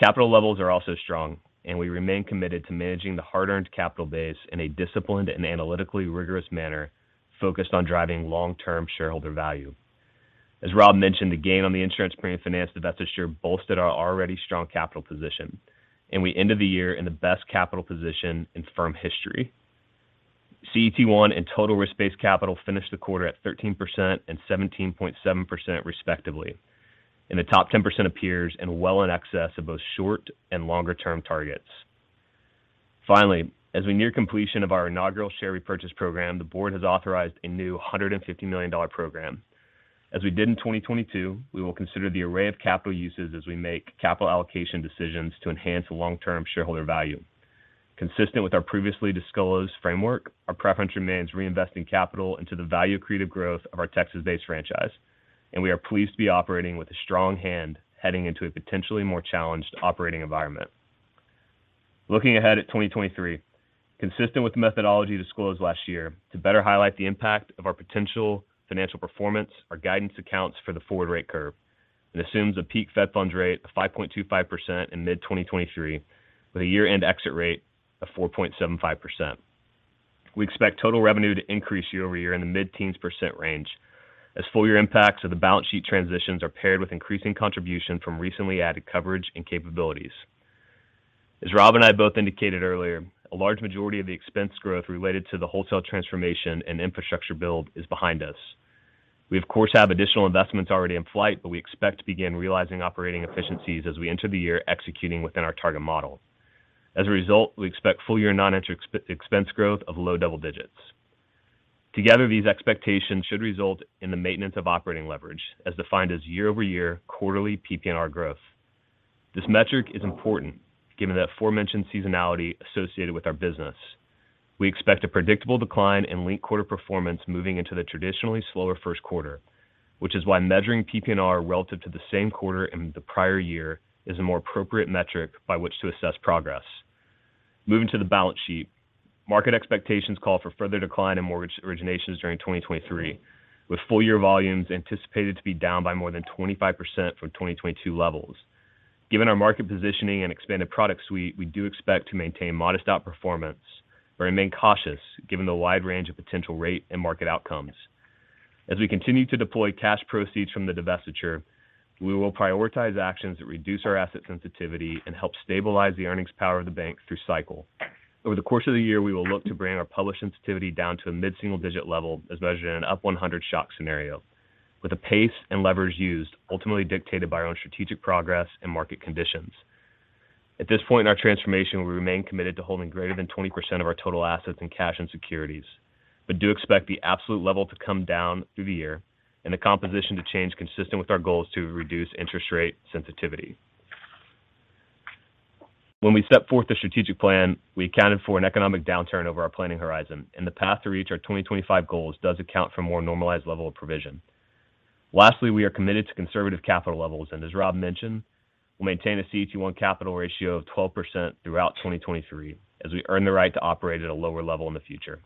Speaker 4: Capital levels are also strong, and we remain committed to managing the hard-earned capital base in a disciplined and analytically rigorous manner focused on driving long-term shareholder value. As Rob mentioned, the gain on the insurance premium finance divestiture bolstered our already strong capital position, and we ended the year in the best capital position in firm history. CET1 and total risk-based capital finished the quarter at 13% and 17.7%, respectively. The top 10% appears well in excess of both short and longer-term targets. Finally, as we near completion of our inaugural share repurchase program, the board has authorized a new $150 million program. As we did in 2022, we will consider the array of capital uses as we make capital allocation decisions to enhance long-term shareholder value. Consistent with our previously disclosed framework, our preference remains reinvesting capital into the value-creative growth of our Texas-based franchise, and we are pleased to be operating with a strong hand heading into a potentially more challenged operating environment. Looking ahead at 2023, consistent with the methodology disclosed last year, to better highlight the impact of our potential financial performance, our guidance accounts for the forward rate curve assumes a peak Fed funds rate of 5.25% in mid-2023 with a year-end exit rate of 4.75%. We expect total revenue to increase year-over-year in the mid-teens percent range as full-year impacts of the balance sheet transitions are paired with increasing contribution from recently added coverage and capabilities. As Rob and I both indicated earlier, a large majority of the expense growth related to the wholesale transformation and infrastructure build is behind us. We, of course, have additional investments already in flight, but we expect to begin realizing operating efficiencies as we enter the year executing within our target model. As a result, we expect full-year non-expense growth of low double digits. Together, these expectations should result in the maintenance of operating leverage as defined as year-over-year quarterly PP&R growth. This metric is important given that aforementioned seasonality associated with our business. We expect a predictable decline in linked-quarter performance moving into the traditionally slower first quarter, which is why measuring PP&R relative to the same quarter in the prior year is a more appropriate metric by which to assess progress. Moving to the balance sheet, market expectations call for further decline in mortgage originations during 2023, with full-year volumes anticipated to be down by more than 25% from 2022 levels. Given our market positioning and expanded product suite, we do expect to maintain modest-out performance but remain cautious given the wide range of potential rate and market outcomes. As we continue to deploy cash proceeds from the divestiture, we will prioritize actions that reduce our asset sensitivity and help stabilize the earnings power of the bank through cycle. Over the course of the year, we will look to bring our publish sensitivity down to a mid-single digit level as measured in an up 100 shock scenario, with the pace and leverage used ultimately dictated by our own strategic progress and market conditions. At this point in our transformation, we remain committed to holding greater than 20% of our total assets in cash and securities, but do expect the absolute level to come down through the year and the composition to change consistent with our goals to reduce interest rate sensitivity. When we stepped forth the strategic plan, we accounted for an economic downturn over our planning horizon, and the path to reach our 2025 goals does account for more normalized level of provision. Lastly, we are committed to conservative capital levels and, as Rob mentioned, will maintain a CET1 capital ratio of 12% throughout 2023 as we earn the right to operate at a lower level in the future.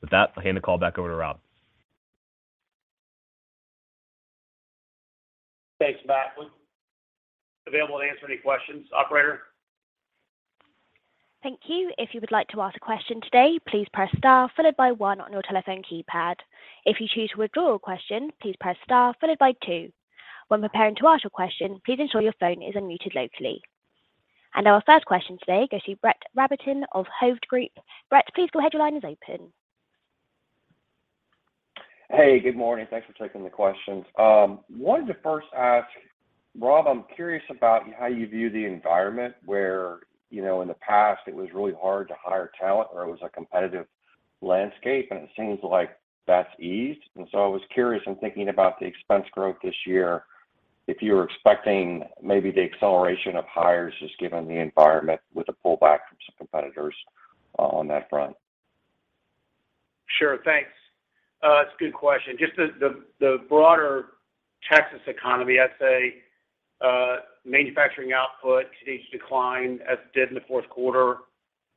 Speaker 4: With that, I'll hand the call back over to Rob.
Speaker 3: Thanks, Matt. Available to answer any questions, operator?
Speaker 1: Thank you. If you would like to ask a question today, please press star followed by one on your telephone keypad. If you choose to withdraw your question, please press star followed by two. When preparing to ask your question, please ensure your phone is unmuted locally. Our first question today goes to Brett Rabatin of Hovde Group. Brett, please go ahead. Your line is open.
Speaker 5: Hey, good morning. Thanks for taking the questions. I wanted to first ask, Rob, I'm curious about how you view the environment where in the past it was really hard to hire talent or it was a competitive landscape, and it seems like that's eased. I was curious in thinking about the expense growth this year, if you were expecting maybe the acceleration of hires just given the environment with a pullback from some competitors on that front.
Speaker 3: Sure. Thanks. It's a good question. Just the broader Texas economy, I'd say manufacturing output continues to decline as did in the fourth quarter.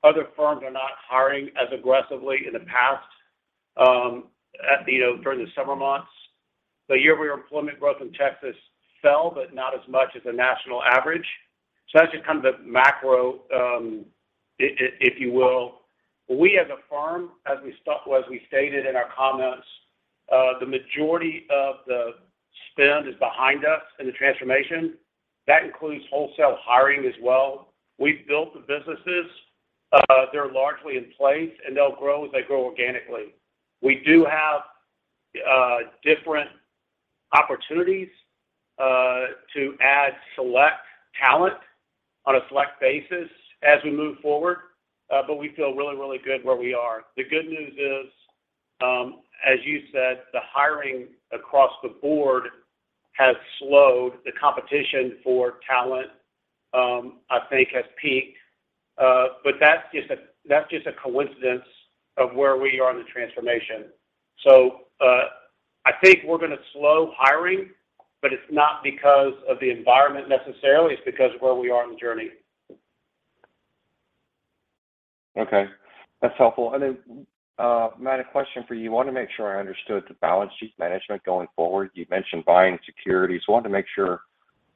Speaker 3: Other firms are not hiring as aggressively in the past during the summer months. The year-over-year employment growth in Texas fell, but not as much as the national average. That's just kind of the macro, if you will. We, as a firm, as we stated in our comments, the majority of the spend is behind us in the transformation. That includes wholesale hiring as well. We've built the businesses. They're largely in place, and they'll grow as they grow organically. We do have different opportunities to add select talent on a select basis as we move forward, but we feel really, really good where we are. The good news is, as you said, the hiring across the board has slowed. The competition for talent, I think, has peaked. That's just a coincidence of where we are in the transformation. I think we're going to slow hiring, but it's not because of the environment necessarily. It's because of where we are in the journey.
Speaker 5: Okay. That's helpful. Matt, a question for you. I want to make sure I understood the balance sheet management going forward. You mentioned buying securities. I wanted to make sure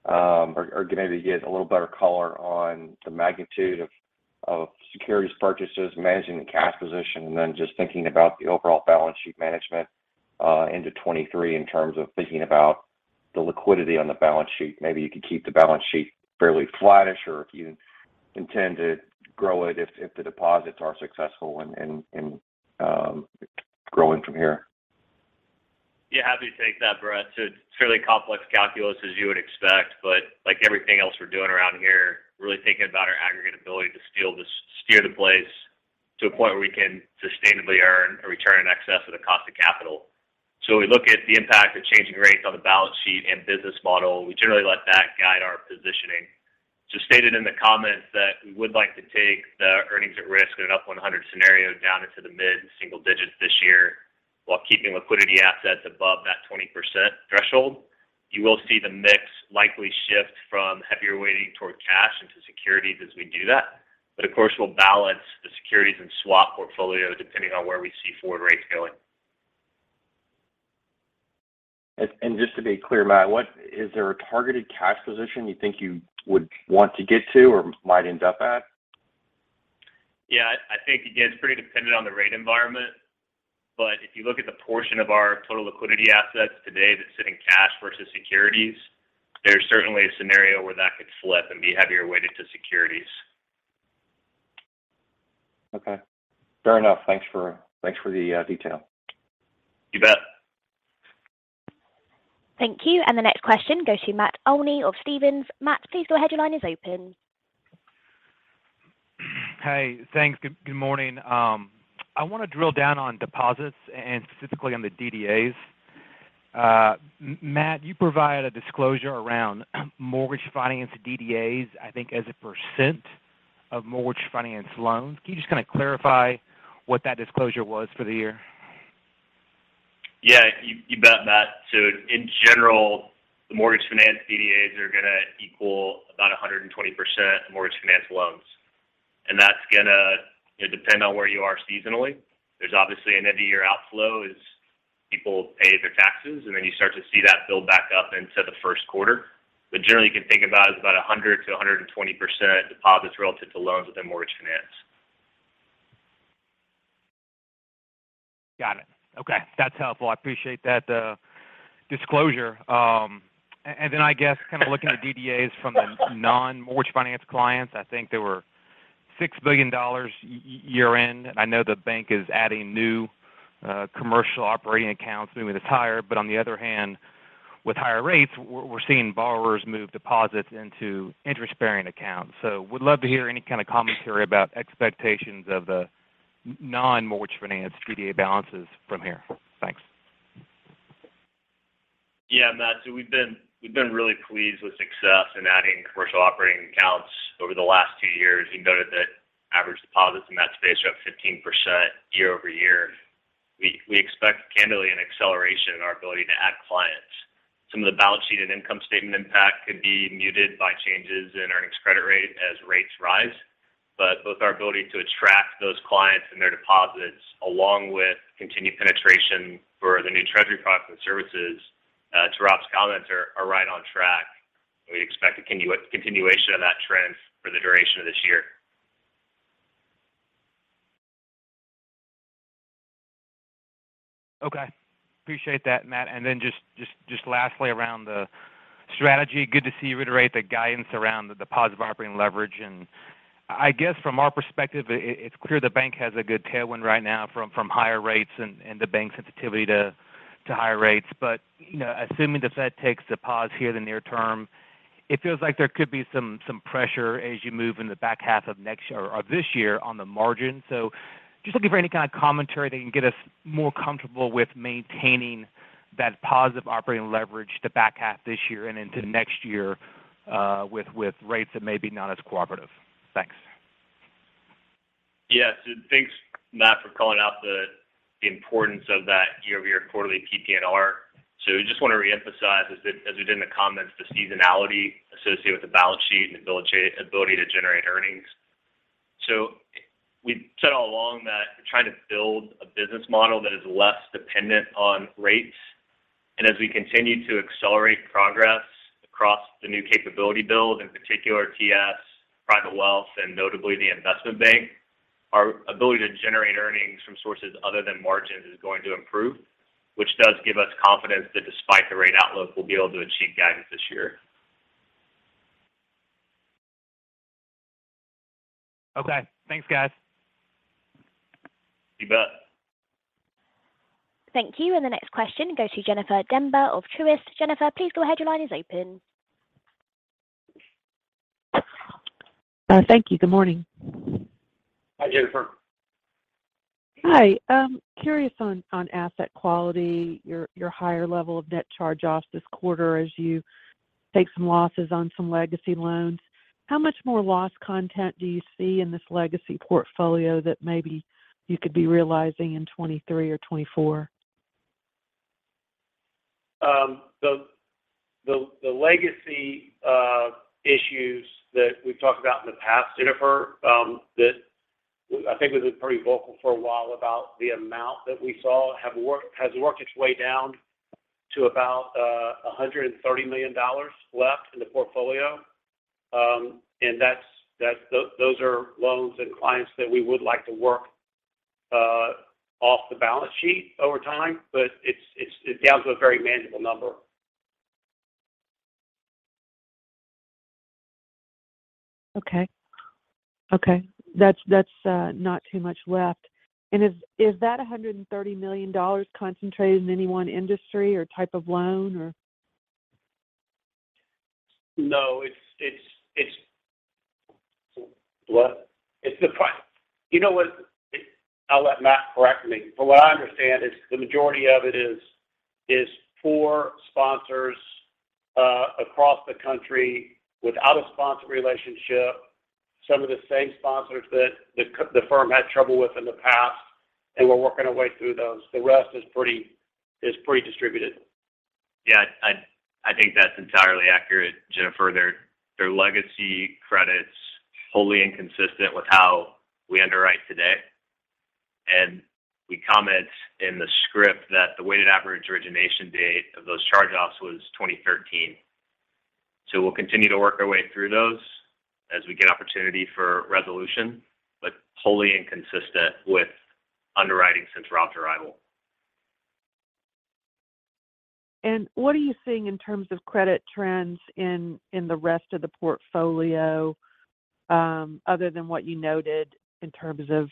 Speaker 5: or maybe get a little better color on the magnitude of securities purchases, managing the cash position, then just thinking about the overall balance sheet management into 2023 in terms of thinking about the liquidity on the balance sheet. Maybe you could keep the balance sheet fairly flatish or if you intend to grow it if the deposits are successful and growing from here.
Speaker 4: Yeah. Happy to take that, Brett, too. It's fairly complex calculus as you would expect, but like everything else we're doing around here, really thinking about our aggregate ability to steer the place to a point where we can sustainably earn a return in excess of the cost of capital. We look at the impact of changing rates on the balance sheet and business model. We generally let that guide our positioning. Just stated in the comments that we would like to take the earnings at risk in an up 100 scenario down into the mid-single digits this year while keeping liquidity assets above that 20% threshold. You will see the mix likely shift from heavier weighting toward cash into securities as we do that. Of course, we'll balance the securities and swap portfolio depending on where we see forward rates going.
Speaker 5: Just to be clear, Matt, is there a targeted cash position you think you would want to get to or might end up at?
Speaker 4: Yeah. I think, again, it's pretty dependent on the rate environment. If you look at the portion of our total liquidity assets today that's sitting cash versus securities, there's certainly a scenario where that could flip and be heavier weighted to securities.
Speaker 5: Okay. Fair enough. Thanks for the detail.
Speaker 4: You bet.
Speaker 1: Thank you. The next question goes to Matt Olney of Stephens. Matt, please go ahead. Your line is open.
Speaker 6: Hey. Thanks. Good morning. I want to drill down on deposits and specifically on the DDAs. Matt, you provided a disclosure around mortgage finance DDAs, I think, as a % of mortgage finance loans. Can you just kind of clarify what that disclosure was for the year?
Speaker 4: Yeah. You bet, Matt. In general, the mortgage finance DDAs are going to equal about 120% mortgage finance loans. That's going to depend on where you are seasonally. There's obviously an end-of-year outflow as people pay their taxes, and then you start to see that build back up into the first quarter. Generally, you can think about it as about 100%-120% deposits relative to loans within mortgage finance.
Speaker 6: Got it. Okay. That's helpful. I appreciate that disclosure. I guess kind of looking at DDAs from the non-mortgage finance clients, I think they were $6 billion year-end. I know the bank is adding new commercial operating accounts, moving the tire. On the other hand, with higher rates, we're seeing borrowers move deposits into interest-bearing accounts. Would love to hear any kind of commentary about expectations of the non-mortgage finance DDA balances from here. Thanks.
Speaker 4: Yeah, Matt. We've been really pleased with success in adding commercial operating accounts over the last two years. You noted that average deposits in that space are up 15% year-over-year. We expect candidly an acceleration in our ability to add clients. Some of the balance sheet and income statement impact could be muted by changes in earnings credit rate as rates rise. Both our ability to attract those clients and their deposits, along with continued penetration for the new treasury products and services, to Rob's comments, are right on track. We'd expect a continuation of that trend for the duration of this year.
Speaker 6: Okay. Appreciate that, Matt. Then just lastly around the strategy, good to see you reiterate the guidance around the deposit operating leverage. I guess from our perspective, it's clear the bank has a good tailwind right now from higher rates and the bank's sensitivity to higher rates. Assuming the Fed takes a pause here in the near term, it feels like there could be some pressure as you move in the back half of this year on the margin. Just looking for any kind of commentary that can get us more comfortable with maintaining that positive operating leverage the back half this year and into next year with rates that may be not as cooperative. Thanks.
Speaker 4: Yeah. Thanks, Matt, for calling out the importance of that year-over-year quarterly PP&R. We just want to reemphasize, as we did in the comments, the seasonality associated with the balance sheet and the ability to generate earnings. We said all along that we're trying to build a business model that is less dependent on rates. As we continue to accelerate progress across the new capability build, in particular TS, Private Wealth, and notably the Investment Bank, our ability to generate earnings from sources other than margins is going to improve, which does give us confidence that despite the rate outlook, we'll be able to achieve guidance this year.
Speaker 6: Okay. Thanks, guys.
Speaker 4: You bet.
Speaker 1: Thank you. The next question goes to Jennifer Demba of Truist. Jennifer, please go ahead. Your line is open.
Speaker 7: Thank you. Good morning.
Speaker 3: Hi, Jennifer.
Speaker 7: Hi. Curious on asset quality, your higher level of net charge-offs this quarter as you take some losses on some legacy loans. How much more loss content do you see in this legacy portfolio that maybe you could be realizing in 2023 or 2024?
Speaker 3: The legacy issues that we've talked about in the past, Jennifer, that I think we've been pretty vocal for a while about the amount that we saw has worked its way down to about $130 million left in the portfolio. Those are loans and clients that we would like to work off the balance sheet over time, but it's down to a very manageable number.
Speaker 7: Okay. Okay. That's not too much left. Is that $130 million concentrated in any one industry or type of loan, or?
Speaker 3: No. It's what? You know what? I'll let Matt correct me. From what I understand, the majority of it is poor sponsors across the country without a sponsor relationship, some of the same sponsors that the firm had trouble with in the past, and we're working our way through those. The rest is pretty distributed.
Speaker 4: Yeah. I think that's entirely accurate, Jennifer. Their legacy credits are wholly inconsistent with how we underwrite today. We comment in the script that the weighted average origination date of those charge-offs was 2013. We'll continue to work our way through those as we get opportunity for resolution, but wholly inconsistent with underwriting since Rob's arrival.
Speaker 7: What are you seeing in terms of credit trends in the rest of the portfolio other than what you noted in terms of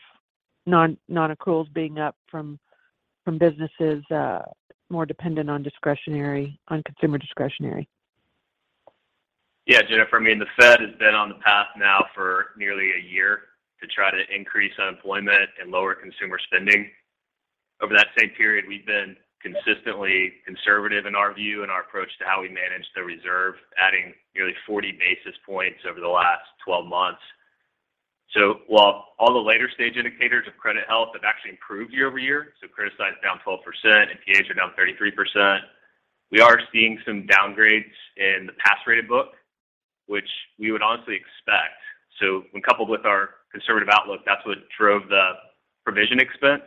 Speaker 7: non-accruals being up from businesses more dependent on consumer discretionary?
Speaker 4: Yeah, Jennifer. I mean, the Fed has been on the path now for nearly a year to try to increase unemployment and lower consumer spending. Over that same period, we've been consistently conservative in our view and our approach to how we manage the reserve, adding nearly 40 basis points over the last 12 months. While all the later-stage indicators of credit health have actually improved year-over-year, so credit size is down 12%, NPH are down 33%, we are seeing some downgrades in the pass rated book, which we would honestly expect. When coupled with our conservative outlook, that's what drove the provision expense.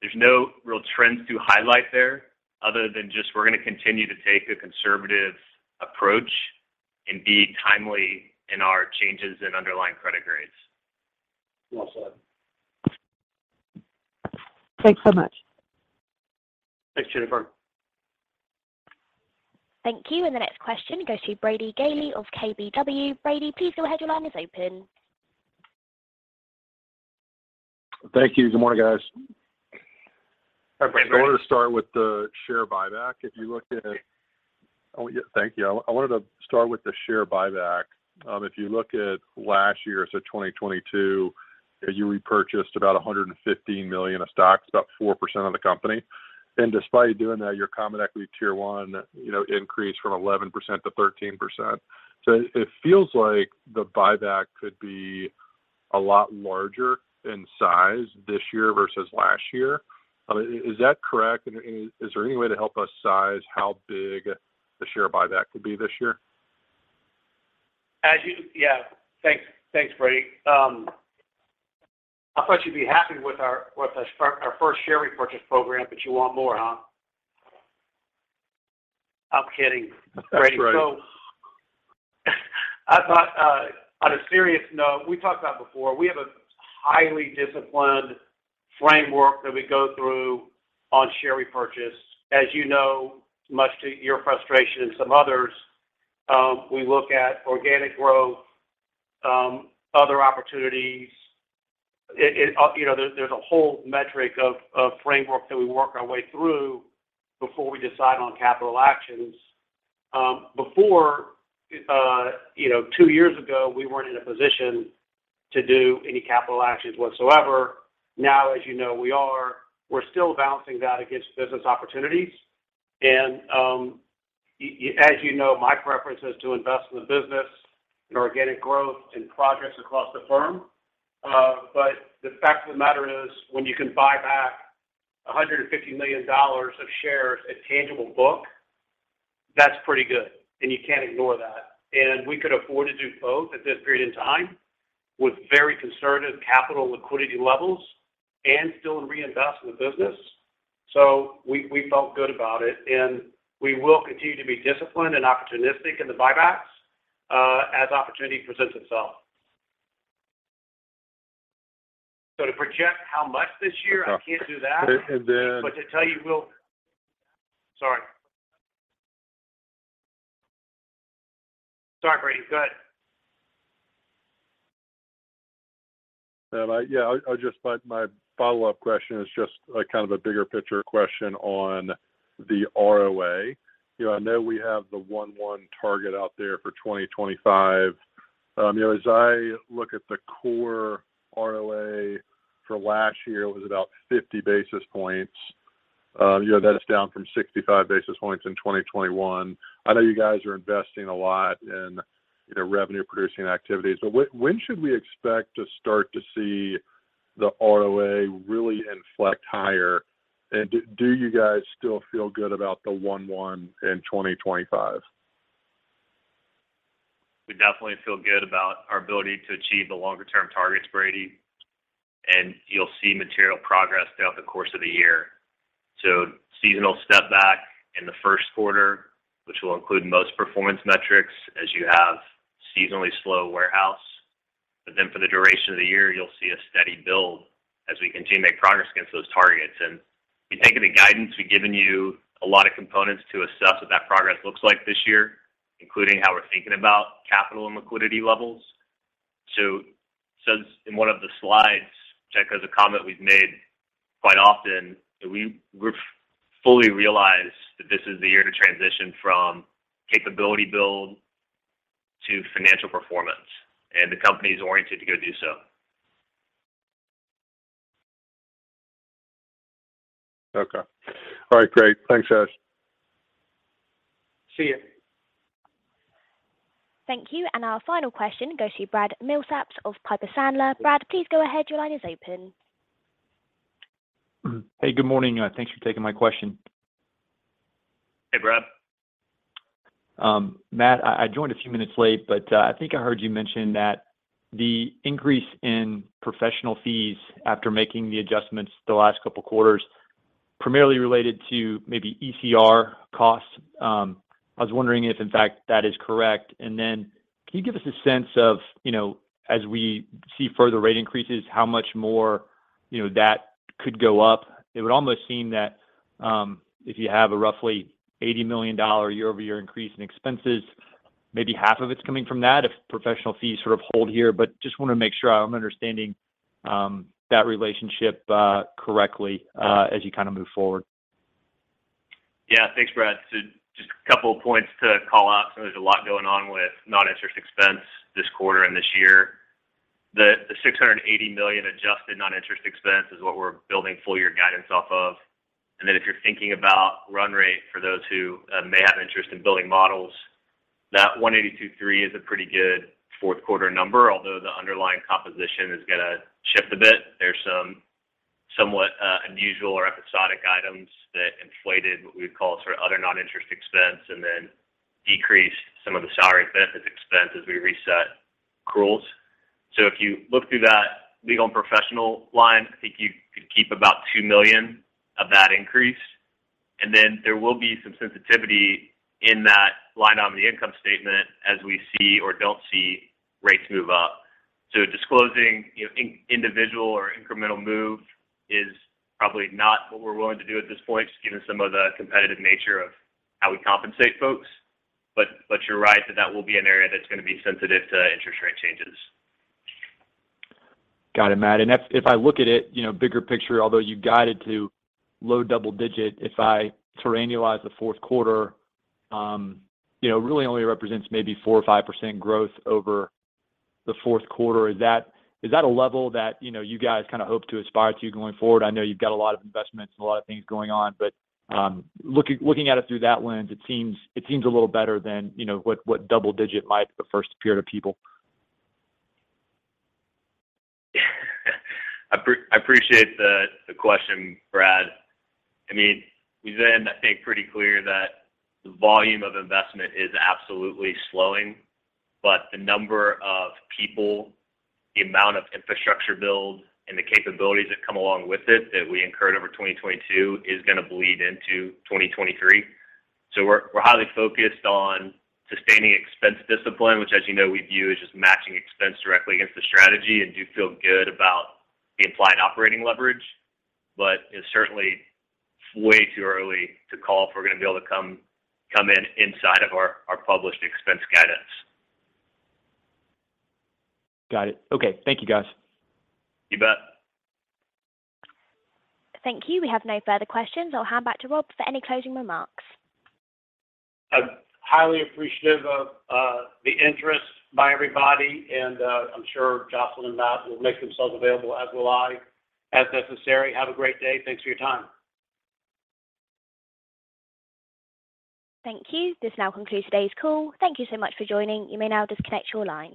Speaker 4: There's no real trends to highlight there other than just we're going to continue to take a conservative approach and be timely in our changes in underlying credit grades.
Speaker 3: Well said.
Speaker 7: Thanks so much.
Speaker 3: Thanks, Jennifer.
Speaker 1: Thank you. The next question goes to Brady Gailey of KBW. Brady, please go ahead. Your line is open.
Speaker 8: Thank you. Good morning, guys.
Speaker 4: Hi, Brady.
Speaker 8: I wanted to start with the share buyback. If you look at last year, so 2022, you repurchased about $115 million of stock, about 4% of the company. Despite doing that, your common equity Tier one increased from 11%-13%. It feels like the buyback could be a lot larger in size this year versus last year. Is that correct? Is there any way to help us size how big the share buyback could be this year?
Speaker 3: Yeah. Thanks, Brady. I thought you'd be happy with our first share repurchase program, but you want more, huh? I'm kidding, Brady. On a serious note, we talked about before. We have a highly disciplined framework that we go through on share repurchase. As you know, much to your frustration and some others, we look at organic growth, other opportunities. There's a whole metric of framework that we work our way through before we decide on capital actions. Two years ago, we weren't in a position to do any capital actions whatsoever. Now, as you know, we are. We're still balancing that against business opportunities. As you know, my preference is to invest in the business, in organic growth, and projects across the firm. The fact of the matter is, when you can buy back $150 million of shares at tangible book, that's pretty good. You can't ignore that. We could afford to do both at this period in time with very conservative capital liquidity levels and still reinvest in the business. We felt good about it. We will continue to be disciplined and opportunistic in the buybacks as opportunity presents itself. To project how much this year, I can't do that. To tell you we'll sorry, Brady. Go ahead.
Speaker 8: Yeah. My follow-up question is just kind of a bigger-picture question on the ROA. I know we have the 1-1 target out there for 2025. As I look at the core ROA for last year, it was about 50 basis points. That is down from 65 basis points in 2021. I know you guys are investing a lot in revenue-producing activities. When should we expect to start to see the ROA really inflect higher? Do you guys still feel good about the 1.1% in 2025?
Speaker 3: We definitely feel good about our ability to achieve the longer-term targets, Brady. You'll see material progress throughout the course of the year. Seasonal stepback in the first quarter, which will include most performance metrics as you have seasonally slow warehouse. For the duration of the year, you'll see a steady build as we continue to make progress against those targets. If you think of the guidance, we've given you a lot of components to assess what that progress looks like this year, including how we're thinking about capital and liquidity levels. In one of the slides, Jeff, there's a comment we've made quite often. We've fully realized that this is the year to transition from capability build to financial performance. The company is oriented to go do so.
Speaker 8: Okay. All right. Great. Thanks guys.
Speaker 4: See you.
Speaker 1: Thank you. Our final question goes to Brad Milsaps of Piper Sandler. Brad, please go ahead. Your line is open.
Speaker 9: Hey. Good morning. Thanks for taking my question.
Speaker 4: Hey, Brad.
Speaker 9: Matt, I joined a few minutes late, but I think I heard you mention that the increase in professional fees after making the adjustments the last couple of quarters primarily related to maybe ECR costs. I was wondering if, in fact, that is correct. Can you give us a sense of, as we see further rate increases, how much more that could go up? It would almost seem that if you have a roughly $80 million year-over-year increase in expenses, maybe half of it's coming from that if professional fees sort of hold here. Just want to make sure I'm understanding that relationship correctly as you kind of move forward.
Speaker 4: Yeah. Thanks, Brad. Just a couple of points to call out. There's a lot going on with non-interest expense this quarter and this year. The $680 million adjusted non-interest expense is what we're building full-year guidance off of. If you're thinking about run rate for those who may have interest in building models, that $182.3 is a pretty good fourth-quarter number, although the underlying composition is going to shift a bit. There's some somewhat unusual or episodic items that inflated what we would call sort of other non-interest expense and then decreased some of the salary benefits expense as we reset accruals. If you look through that legal and professional line, I think you could keep about $2 million of that increase. There will be some sensitivity in that line item in the income statement as we see or don't see rates move up. Disclosing individual or incremental move is probably not what we're willing to do at this point, just given some of the competitive nature of how we compensate folks. You're right that that will be an area that's going to be sensitive to interest rate changes.
Speaker 9: Got it, Matt. If I look at it, bigger picture, although you guided to low double-digit, if I terrenialize the fourth quarter, it really only represents maybe 4% or 5% growth over the fourth quarter. Is that a level that you guys kind of hope to aspire to going forward? I know you've got a lot of investments and a lot of things going on. Looking at it through that lens, it seems a little better than what double-digit might first appear to people.
Speaker 4: I appreciate the question, Brad. I mean, we've been, I think, pretty clear that the volume of investment is absolutely slowing. The number of people, the amount of infrastructure build, and the capabilities that come along with it that we incurred over 2022 is going to bleed into 2023. We're highly focused on sustaining expense discipline, which, as you know, we view as just matching expense directly against the strategy and do feel good about the implied operating leverage. It's certainly way too early to call if we're going to be able to come in inside of our published expense guidance.
Speaker 9: Got it. Okay. Thank you, guys.
Speaker 4: You bet.
Speaker 1: Thank you. We have no further questions. I'll hand back to Rob for any closing remarks.
Speaker 3: I'm highly appreciative of the interest by everybody. I'm sure Jocelyn and Matt will make themselves available as will I as necessary. Have a great day. Thanks for your time.
Speaker 1: Thank you. This now concludes today's call. Thank you so much for joining. You may now disconnect your line.